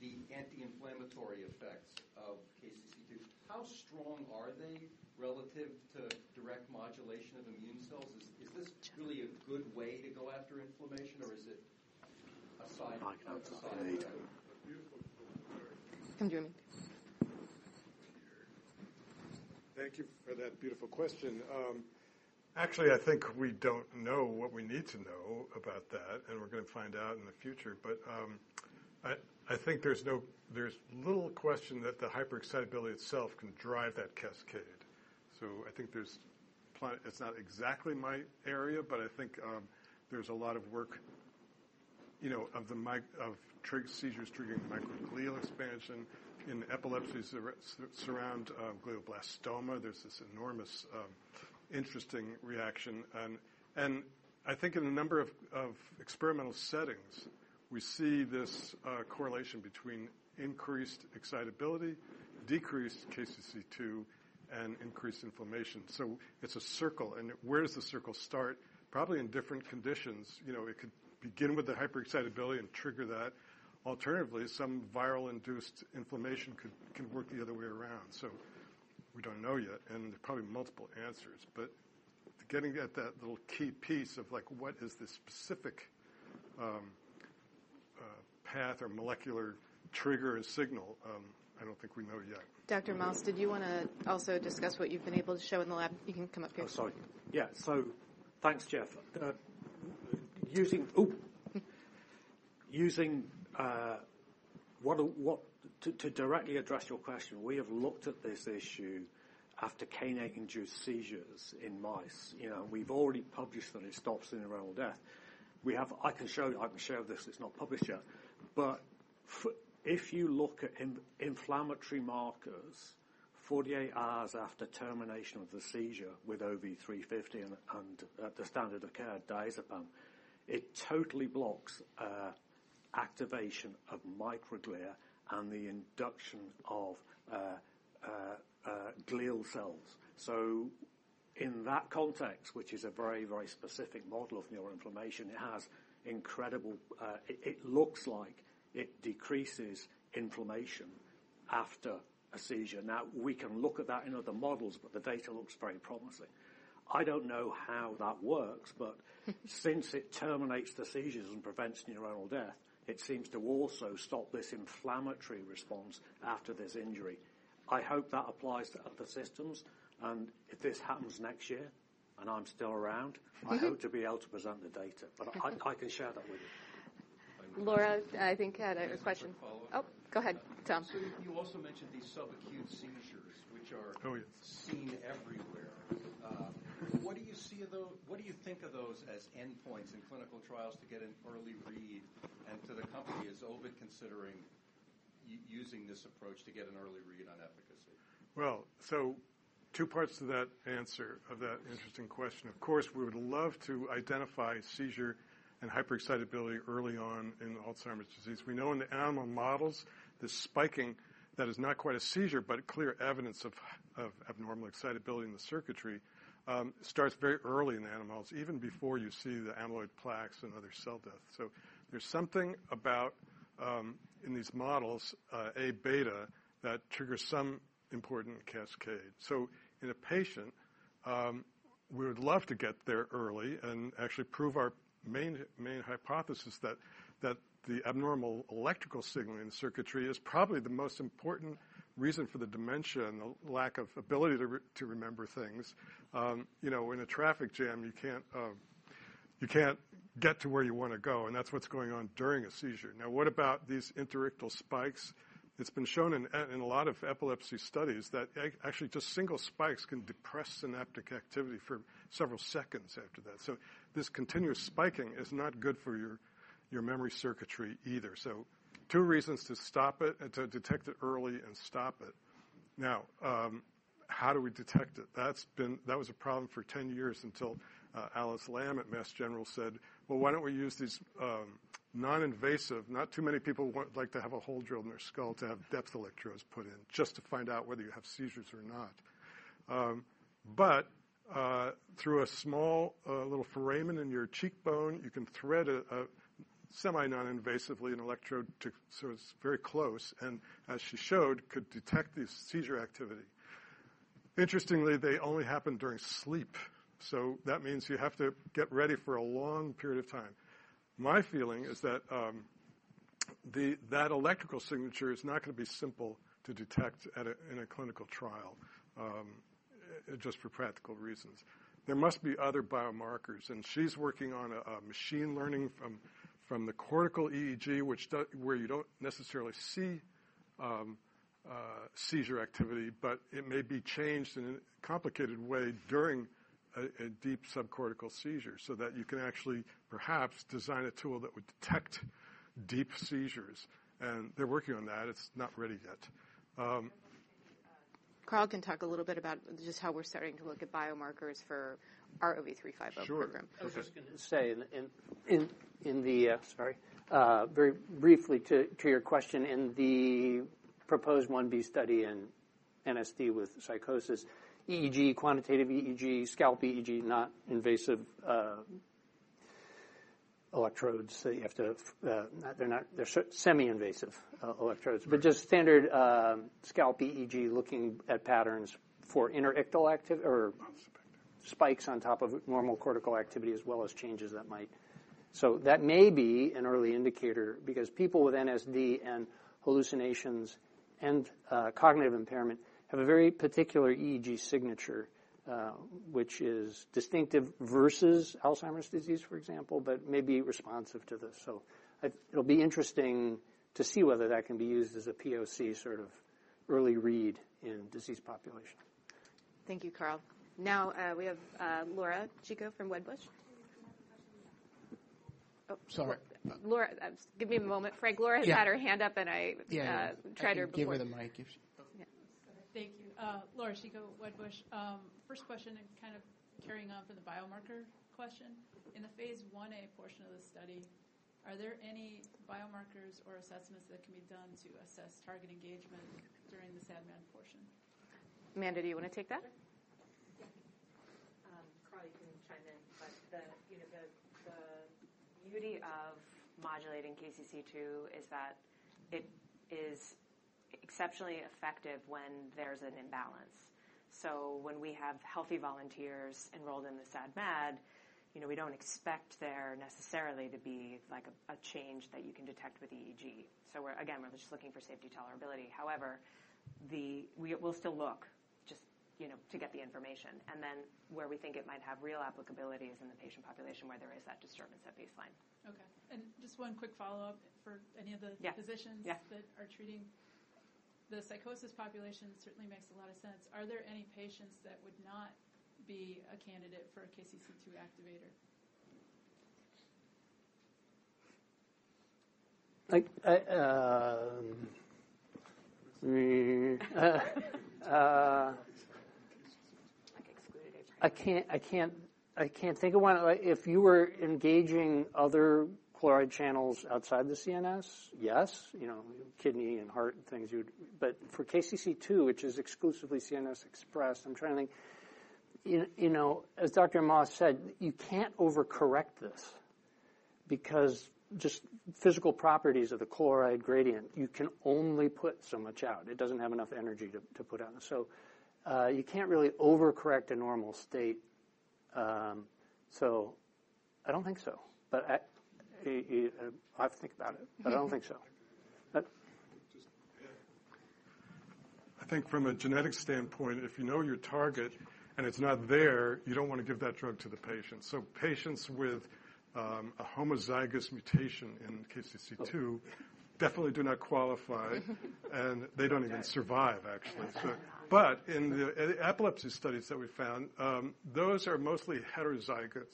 the anti-inflammatory effects of KCC2, how strong are they relative to direct modulation of immune cells? Is this really a good way to go after inflammation, or is it a side effect? Thank you for that beautiful question. Actually, I think we don't know what we need to know about that, and we're going to find out in the future. But I think there's little question that the hyper-excitability itself can drive that cascade. So I think it's not exactly my area, but I think there's a lot of work of triggering seizures triggering microglial expansion. In epilepsies that surround glioblastoma, there's this enormous interesting reaction. And I think in a number of experimental settings, we see this correlation between increased excitability, decreased KCC2, and increased inflammation. So it's a circle. And where does the circle start? Probably in different conditions. It could begin with the hyper-excitability and trigger that. Alternatively, some viral-induced inflammation can work the other way around. So we don't know yet. And there are probably multiple answers. But getting at that little key piece of what is the specific path or molecular trigger and signal, I don't think we know yet. Dr. Moss, did you want to also discuss what you've been able to show in the lab? You can come up here. Yeah. So thanks, Jeff. To directly address your question, we have looked at this issue after kainic acid-induced seizures in mice. We've already published that it stops neuronal death. I can show this. It's not published yet. But if you look at inflammatory markers 48 hours after termination of the seizure with OV350 and the standard of care diazepam, it totally blocks activation of microglia and the induction of glial cells. So in that context, which is a very, very specific model of neuroinflammation, it looks like it decreases inflammation after a seizure. Now, we can look at that in other models, but the data looks very promising. I don't know how that works, but since it terminates the seizures and prevents neuronal death, it seems to also stop this inflammatory response after this injury. I hope that applies to other systems. And if this happens next year and I'm still around, I hope to be able to present the data. But I can share that with you. Moss, I think, had a question. Oh, go ahead, Tom. You also mentioned these subacute seizures, which are seen everywhere. What do you see of those? What do you think of those as endpoints in clinical trials to get an early read? And to the company, is Ovid considering using this approach to get an early read on efficacy? Well, so two parts to that answer of that interesting question. Of course, we would love to identify seizure and hyper-excitability early on in Alzheimer's disease. We know in the animal models, the spiking that is not quite a seizure, but clear evidence of abnormal excitability in the circuitry starts very early in the animals, even before you see the amyloid plaques and other cell death. So there's something about in these models, Aβ, that triggers some important cascade. So in a patient, we would love to get there early and actually prove our main hypothesis that the abnormal electrical signaling in the circuitry is probably the most important reason for the dementia and the lack of ability to remember things. In a traffic jam, you can't get to where you want to go, and that's what's going on during a seizure. Now, what about these interictal spikes? It's been shown in a lot of epilepsy studies that actually just single spikes can depress synaptic activity for several seconds after that. So this continuous spiking is not good for your memory circuitry either. So two reasons to stop it, to detect it early and stop it. Now, how do we detect it? That was a problem for 10 years until Alice Lam at Mass General said, "Well, why don't we use these non-invasive?" Not too many people would like to have a hole drilled in their skull to have depth electrodes put in just to find out whether you have seizures or not. But through a small little foramen in your cheekbone, you can thread semi-non-invasively an electrode so it's very close. And as she showed, could detect the seizure activity. Interestingly, they only happen during sleep. So that means you have to get ready for a long period of time. My feeling is that the electrical signature is not going to be simple to detect in a clinical trial just for practical reasons. There must be other biomarkers. And she's working on a machine learning from the cortical EEG, where you don't necessarily see seizure activity, but it may be changed in a complicated way during a deep subcortical seizure so that you can actually perhaps design a tool that would detect deep seizures. And they're working on that. It's not ready yet. Karl can talk a little bit about just how we're starting to look at biomarkers for our OV350 program. Sure. I was just going to say, in the very briefly to your question, in the proposed I-B study in NSD with psychosis, EEG, quantitative EEG, scalp EEG, not invasive electrodes that you have to they're semi-invasive electrodes, but just standard scalp EEG looking at patterns for interictal spikes on top of normal cortical activity as well as changes that might. So that may be an early indicator because people with NSD and hallucinations and cognitive impairment have a very particular EEG signature, which is distinctive versus Alzheimer's disease, for example, but may be responsive to this. So it'll be interesting to see whether that can be used as a POC sort of early read in disease population. Thank you, Karl. Now, we have Laura Chico from Wedbush. Oh. Sorry. Laura, give me a moment. Jay Olson, Laura had her hand up, and I tried her before. Give her the mic. Thank you. Laura Chico, Wedbush. First question, kind of carrying on from the biomarker question. In the phase I-A portion of the study, are there any biomarkers or assessments that can be done to assess target engagement during the SAD-MAD portion? Amanda, do you want to take that? Probably can chime in. But the beauty of modulating KCC2 is that it is exceptionally effective when there's an imbalance. So when we have healthy volunteers enrolled in the SAD-MAD, we don't expect there necessarily to be a change that you can detect with EEG. So again, we're just looking for safety tolerability. However, we'll still look just to get the information. And then where we think it might have real applicability is in the patient population where there is that disturbance at baseline. Okay, and just one quick follow-up for any of the physicians that are treating the psychosis population, certainly makes a lot of sense. Are there any patients that would not be a candidate for a KCC2 activator? I can't think of one. If you were engaging other chloride channels outside the CNS, yes, kidney and heart and things. But for KCC2, which is exclusively CNS expressed, I'm trying to think, as Dr. Moss said, you can't overcorrect this because just physical properties of the chloride gradient, you can only put so much out. It doesn't have enough energy to put out. So you can't really overcorrect a normal state. So I don't think so. But I have to think about it. But I don't think so. I think from a genetic standpoint, if you know your target and it's not there, you don't want to give that drug to the patient. So patients with a homozygous mutation in KCC2 definitely do not qualify. And they don't even survive, actually. But in the epilepsy studies that we found, those are mostly heterozygous.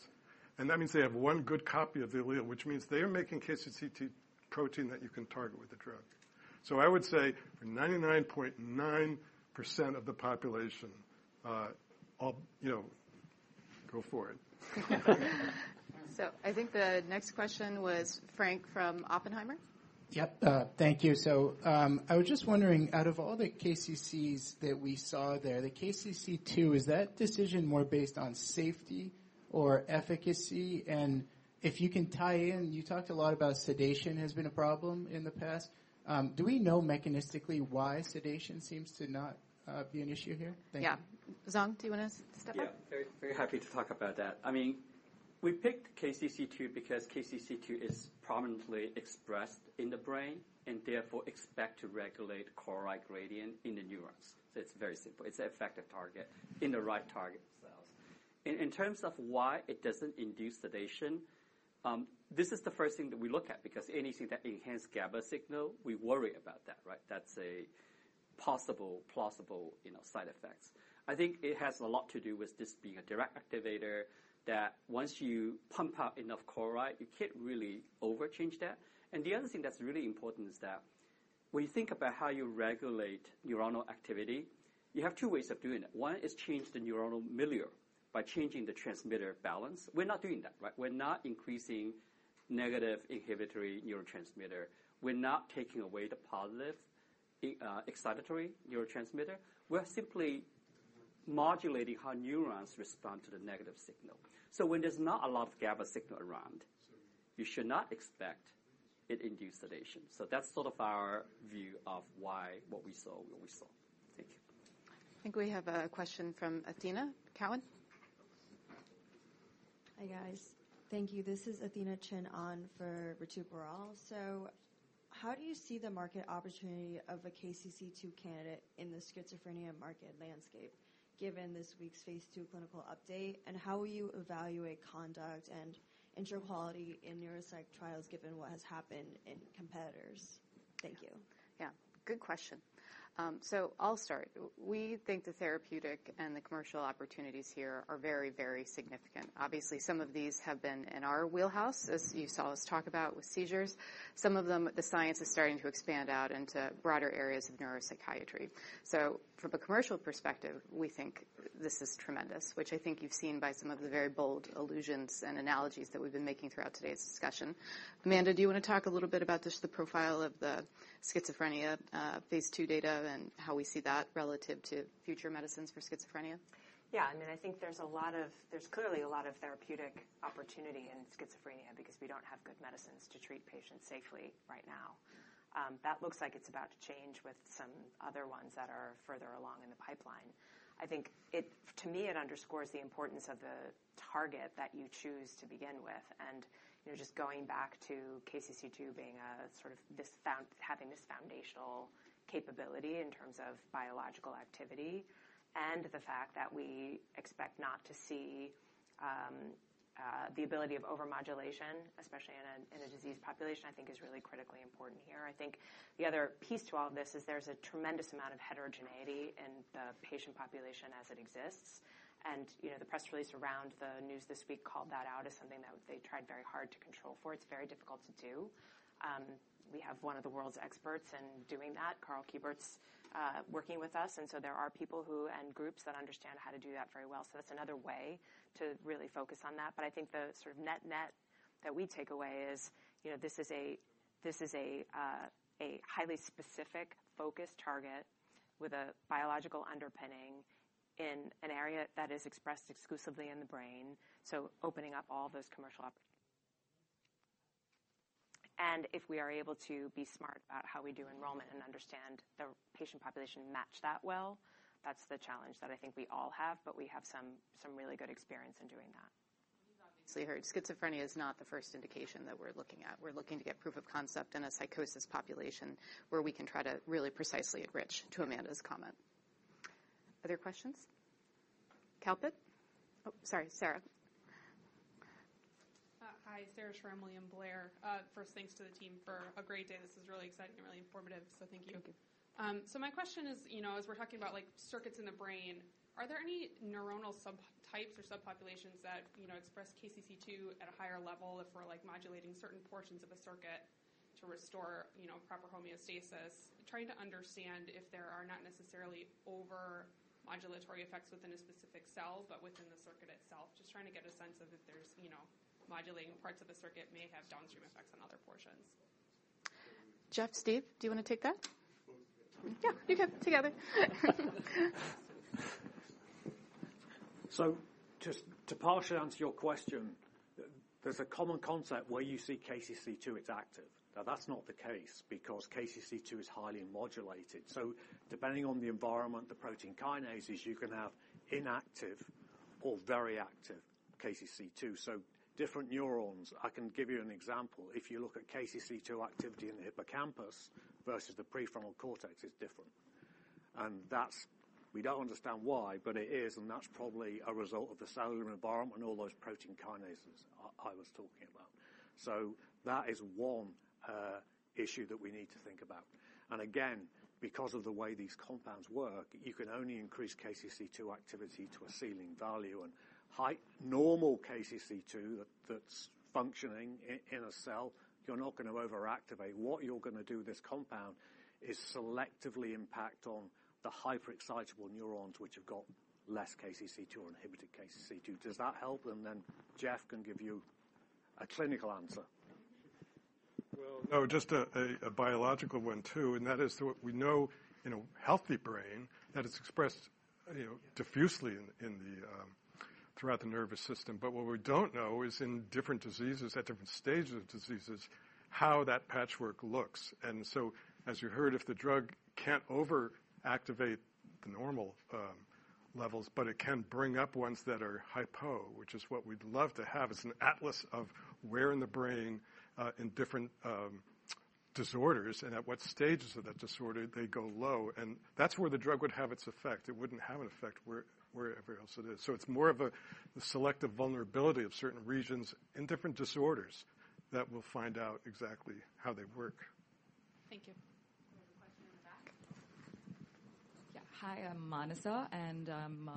And that means they have one good copy of the allele, which means they are making KCC2 protein that you can target with the drug. So I would say 99.9% of the population, go for it. I think the next question was Jay from Oppenheimer. Yep. Thank you. So I was just wondering, out of all the KCCs that we saw there, the KCC2, is that decision more based on safety or efficacy? And if you can tie in, you talked a lot about sedation has been a problem in the past. Do we know mechanistically why sedation seems to not be an issue here? Yeah. Zhong, do you want to step up? Yeah. Very happy to talk about that. I mean, we picked KCC2 because KCC2 is prominently expressed in the brain and therefore expect to regulate chloride gradient in the neurons. So it's very simple. It's an effective target in the right target cells. In terms of why it doesn't induce sedation, this is the first thing that we look at because anything that enhanced GABA signal, we worry about that. That's a possible plausible side effect. I think it has a lot to do with this being a direct activator that once you pump out enough chloride, you can't really overchange that. And the other thing that's really important is that when you think about how you regulate neuronal activity, you have two ways of doing it. One is change the neuronal milieu by changing the transmitter balance. We're not doing that. We're not increasing negative inhibitory neurotransmitter. We're not taking away the positive excitatory neurotransmitter. We're simply modulating how neurons respond to the negative signal. So when there's not a lot of GABA signal around, you should not expect it induces sedation. So that's sort of our view of why what we saw. Thank you. I think we have a question from Athena, Cowen. Hi, guys. Thank you. This is Athena Chin on for Ritu Baral. So how do you see the market opportunity of a KCC2 candidate in the schizophrenia market landscape given this week's phase II clinical update? And how will you evaluate conduct and integrity in neuropsych trials given what has happened with competitors? Thank you. Yeah. Good question. So I'll start. We think the therapeutic and the commercial opportunities here are very, very significant. Obviously, some of these have been in our wheelhouse, as you saw us talk about with seizures. Some of them, the science is starting to expand out into broader areas of neuropsychiatry. So from a commercial perspective, we think this is tremendous, which I think you've seen by some of the very bold allusions and analogies that we've been making throughout today's discussion. Amanda, do you want to talk a little bit about just the profile of the schizophrenia phase II data and how we see that relative to future medicines for schizophrenia? Yeah. I mean, I think there's clearly a lot of therapeutic opportunity in schizophrenia because we don't have good medicines to treat patients safely right now. That looks like it's about to change with some other ones that are further along in the pipeline. I think to me, it underscores the importance of the target that you choose to begin with. And just going back to KCC2 being having this foundational capability in terms of biological activity and the fact that we expect not to see the ability of overmodulation, especially in a disease population, I think is really critically important here. I think the other piece to all of this is there's a tremendous amount of heterogeneity in the patient population as it exists. And the press release around the news this week called that out as something that they tried very hard to control for. It's very difficult to do. We have one of the world's experts in doing that, Karl Kieburtz, working with us, and so there are people and groups that understand how to do that very well. That's another way to really focus on that. I think the sort of net-net that we take away is this is a highly specific focus target with a biological underpinning in an area that is expressed exclusively in the brain, opening up all those commercial. If we are able to be smart about how we do enrollment and understand the patient population match that well, that's the challenge that I think we all have, but we have some really good experience in doing that. We've obviously heard schizophrenia is not the first indication that we're looking at. We're looking to get proof of concept in a psychosis population where we can try to really precisely enrich to Amanda's comment. Other questions? Kalpit? Oh, sorry. Sarah. Hi. Sarah Schram, William Blair. First, thanks to the team for a great day. This is really exciting and really informative. So thank you. So my question is, as we're talking about circuits in the brain, are there any neuronal subtypes or subpopulations that express KCC2 at a higher level if we're modulating certain portions of a circuit to restore proper homeostasis? Trying to understand if there are not necessarily over-modulatory effects within a specific cell, but within the circuit itself. Just trying to get a sense of if there's modulating parts of the circuit may have downstream effects on other portions. Jeff, Steve, do you want to take that? Yeah. You can together. So just to partially answer your question, there's a common concept where you see KCC2 is active. Now, that's not the case because KCC2 is highly modulated. So depending on the environment, the protein kinases, you can have inactive or very active KCC2. So different neurons. I can give you an example. If you look at KCC2 activity in the hippocampus versus the prefrontal cortex, it's different. And we don't understand why, but it is. And that's probably a result of the cellular environment and all those protein kinases I was talking about. So that is one issue that we need to think about. And again, because of the way these compounds work, you can only increase KCC2 activity to a ceiling value. And normal KCC2 that's functioning in a cell, you're not going to overactivate. What you're going to do with this compound is selectively impact on the hyper-excitable neurons, which have got less KCC2 or inhibited KCC2. Does that help, and then Jeff can give you a clinical answer. Well, no, just a biological one too. And that is that we know in a healthy brain that it's expressed diffusely throughout the nervous system. But what we don't know is in different diseases, at different stages of diseases, how that patchwork looks. And so as you heard, if the drug can't overactivate the normal levels, but it can bring up ones that are hypo, which is what we'd love to have as an atlas of where in the brain in different disorders and at what stages of that disorder they go low. And that's where the drug would have its effect. It wouldn't have an effect wherever else it is. So it's more of the selective vulnerability of certain regions in different disorders that we'll find out exactly how they work. Thank you. Question in the back. Yeah. Hi, I'm Maanasa. And I'm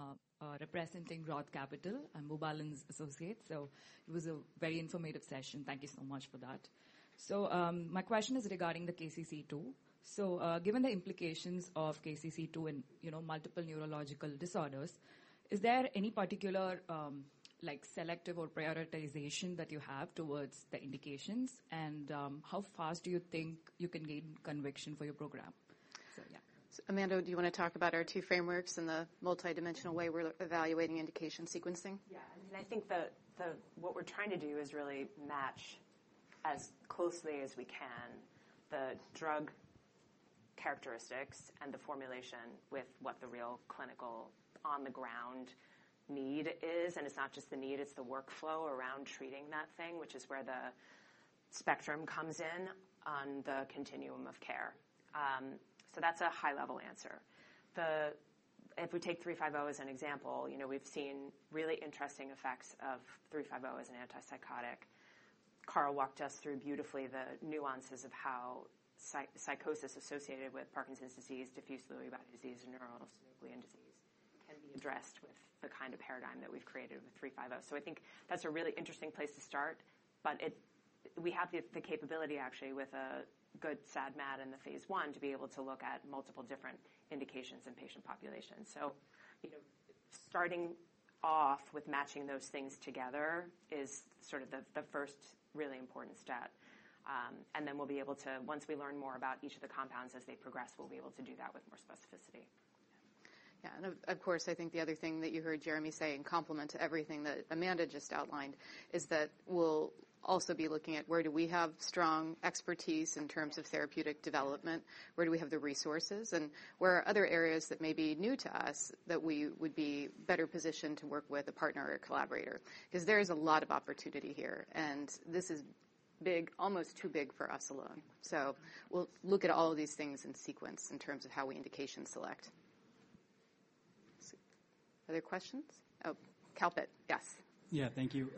representing Roth Capital. I'm Boobalan's associate. So it was a very informative session. Thank you so much for that. So my question is regarding the KCC2. So given the implications of KCC2 in multiple neurological disorders, is there any particular selective or prioritization that you have towards the indications? And how fast do you think you can gain conviction for your program? So yeah. Amanda, do you want to talk about our two frameworks and the multidimensional way we're evaluating indication sequencing? Yeah. I mean, I think what we're trying to do is really match as closely as we can the drug characteristics and the formulation with what the real clinical on-the-ground need is. It's not just the need. It's the workflow around treating that thing, which is where the spectrum comes in on the continuum of care. That's a high-level answer. If we take 350 as an example, we've seen really interesting effects of 350 as an antipsychotic. Karl walked us through beautifully the nuances of how psychosis associated with Parkinson's disease, Neuronal Synuclein Disease can be addressed with the kind of paradigm that we've created with 350. I think that's a really interesting place to start. We have the capability, actually, with a good SAD-MAD in the phase I to be able to look at multiple different indications in patient populations. Starting off with matching those things together is sort of the first really important step. And then we'll be able to, once we learn more about each of the compounds as they progress, we'll be able to do that with more specificity. Yeah. And of course, I think the other thing that you heard Jeremy say in complement to everything that Amanda just outlined is that we'll also be looking at where do we have strong expertise in terms of therapeutic development, where do we have the resources, and where are other areas that may be new to us that we would be better positioned to work with a partner or a collaborator. Because there is a lot of opportunity here. And this is big, almost too big for us alone. So we'll look at all of these things in sequence in terms of how we indication select. Other questions? Oh, Kalpit. Yes. Yeah. Thank you.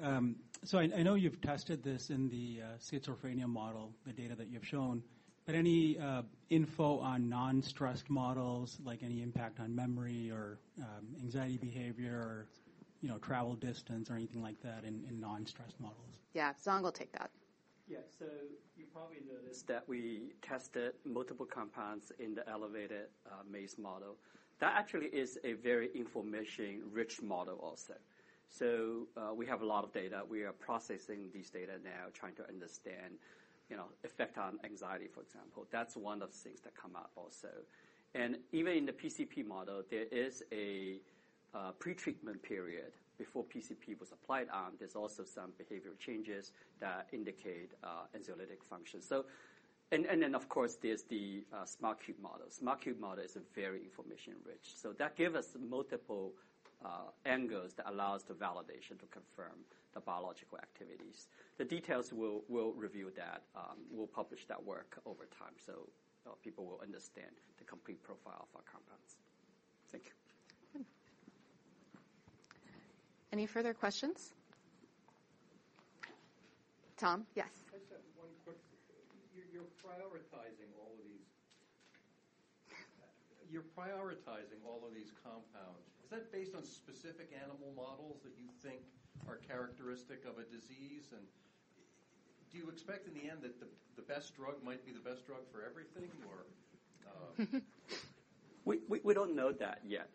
So I know you've tested this in the schizophrenia model, the data that you've shown. But any info on non-stressed models, like any impact on memory or anxiety behavior or travel distance or anything like that in non-stressed models? Yeah. Zhong will take that. Yeah. So you probably noticed that we tested multiple compounds in the elevated maze model. That actually is a very information-rich model also. So we have a lot of data. We are processing these data now, trying to understand effect on anxiety, for example. That's one of the things that come up also. And even in the PCP model, there is a pretreatment period before PCP was applied on. There's also some behavioral changes that indicate anxiolytic function. And then, of course, there's the SmartCube model. SmartCube model is very information-rich. So that gives us multiple angles that allow us to validate and to confirm the biological activities. The details we'll review that. We'll publish that work over time. So people will understand the complete profile of our compounds. Thank you. Any further questions? Tom? Yes. I just have one quick. You're prioritizing all of these compounds. Is that based on specific animal models that you think are characteristic of a disease? And do you expect in the end that the best drug might be the best drug for everything, or? We don't know that yet.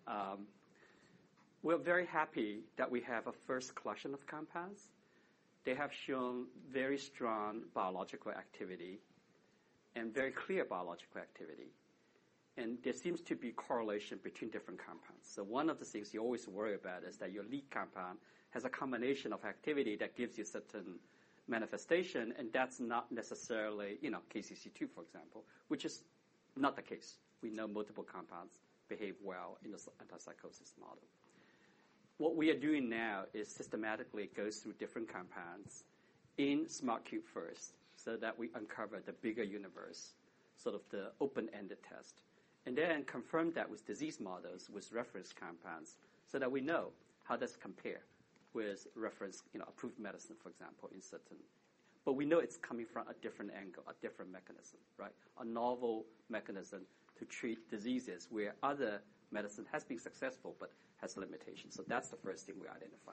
We're very happy that we have a first collection of compounds. They have shown very strong biological activity and very clear biological activity, and there seems to be correlation between different compounds, so one of the things you always worry about is that your lead compound has a combination of activity that gives you certain manifestation, and that's not necessarily KCC2, for example, which is not the case. We know multiple compounds behave well in this antipsychotic model. What we are doing now is systematically go through different compounds in SmartCube first so that we uncover the bigger universe, sort of the open-ended test, and then confirm that with disease models with reference compounds so that we know how this compares with reference approved medicine, for example, in certain, but we know it's coming from a different angle, a different mechanism, right? A novel mechanism to treat diseases where other medicine has been successful but has limitations. So that's the first thing we identify.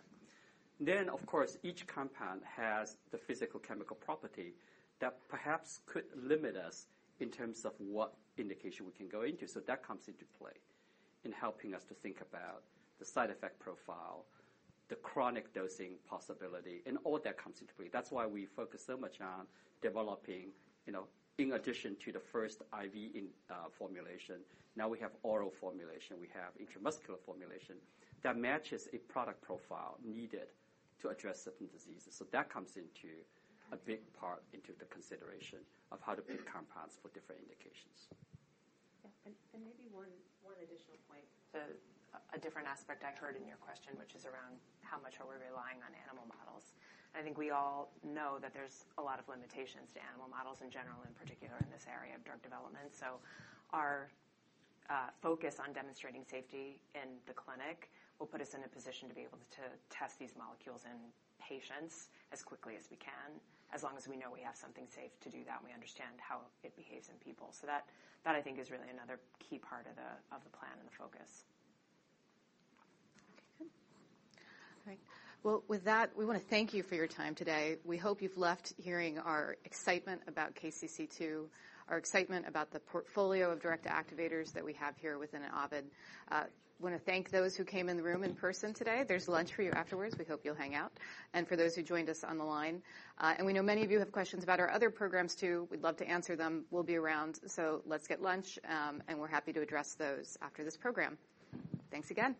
Then, of course, each compound has the physicochemical property that perhaps could limit us in terms of what indication we can go into. So that comes into play in helping us to think about the side effect profile, the chronic dosing possibility, and all that comes into play. That's why we focus so much on developing, in addition to the first IV formulation. Now we have oral formulation. We have intramuscular formulation that matches a product profile needed to address certain diseases. So that comes into a big part into the consideration of how to pick compounds for different indications. Yeah. And maybe one additional point. So a different aspect I heard in your question, which is around how much are we relying on animal models. I think we all know that there's a lot of limitations to animal models in general, in particular in this area of drug development. So our focus on demonstrating safety in the clinic will put us in a position to be able to test these molecules in patients as quickly as we can, as long as we know we have something safe to do that and we understand how it behaves in people. So that, I think, is really another key part of the plan and the focus. Okay. Good. All right. Well, with that, we want to thank you for your time today. We hope you've left here hearing our excitement about KCC2, our excitement about the portfolio of direct activators that we have here within Ovid. I want to thank those who came in the room in person today. There's lunch for you afterwards. We hope you'll hang out. And for those who joined us on the line. And we know many of you have questions about our other programs too. We'd love to answer them. We'll be around. So let's get lunch. And we're happy to address those after this program. Thanks again.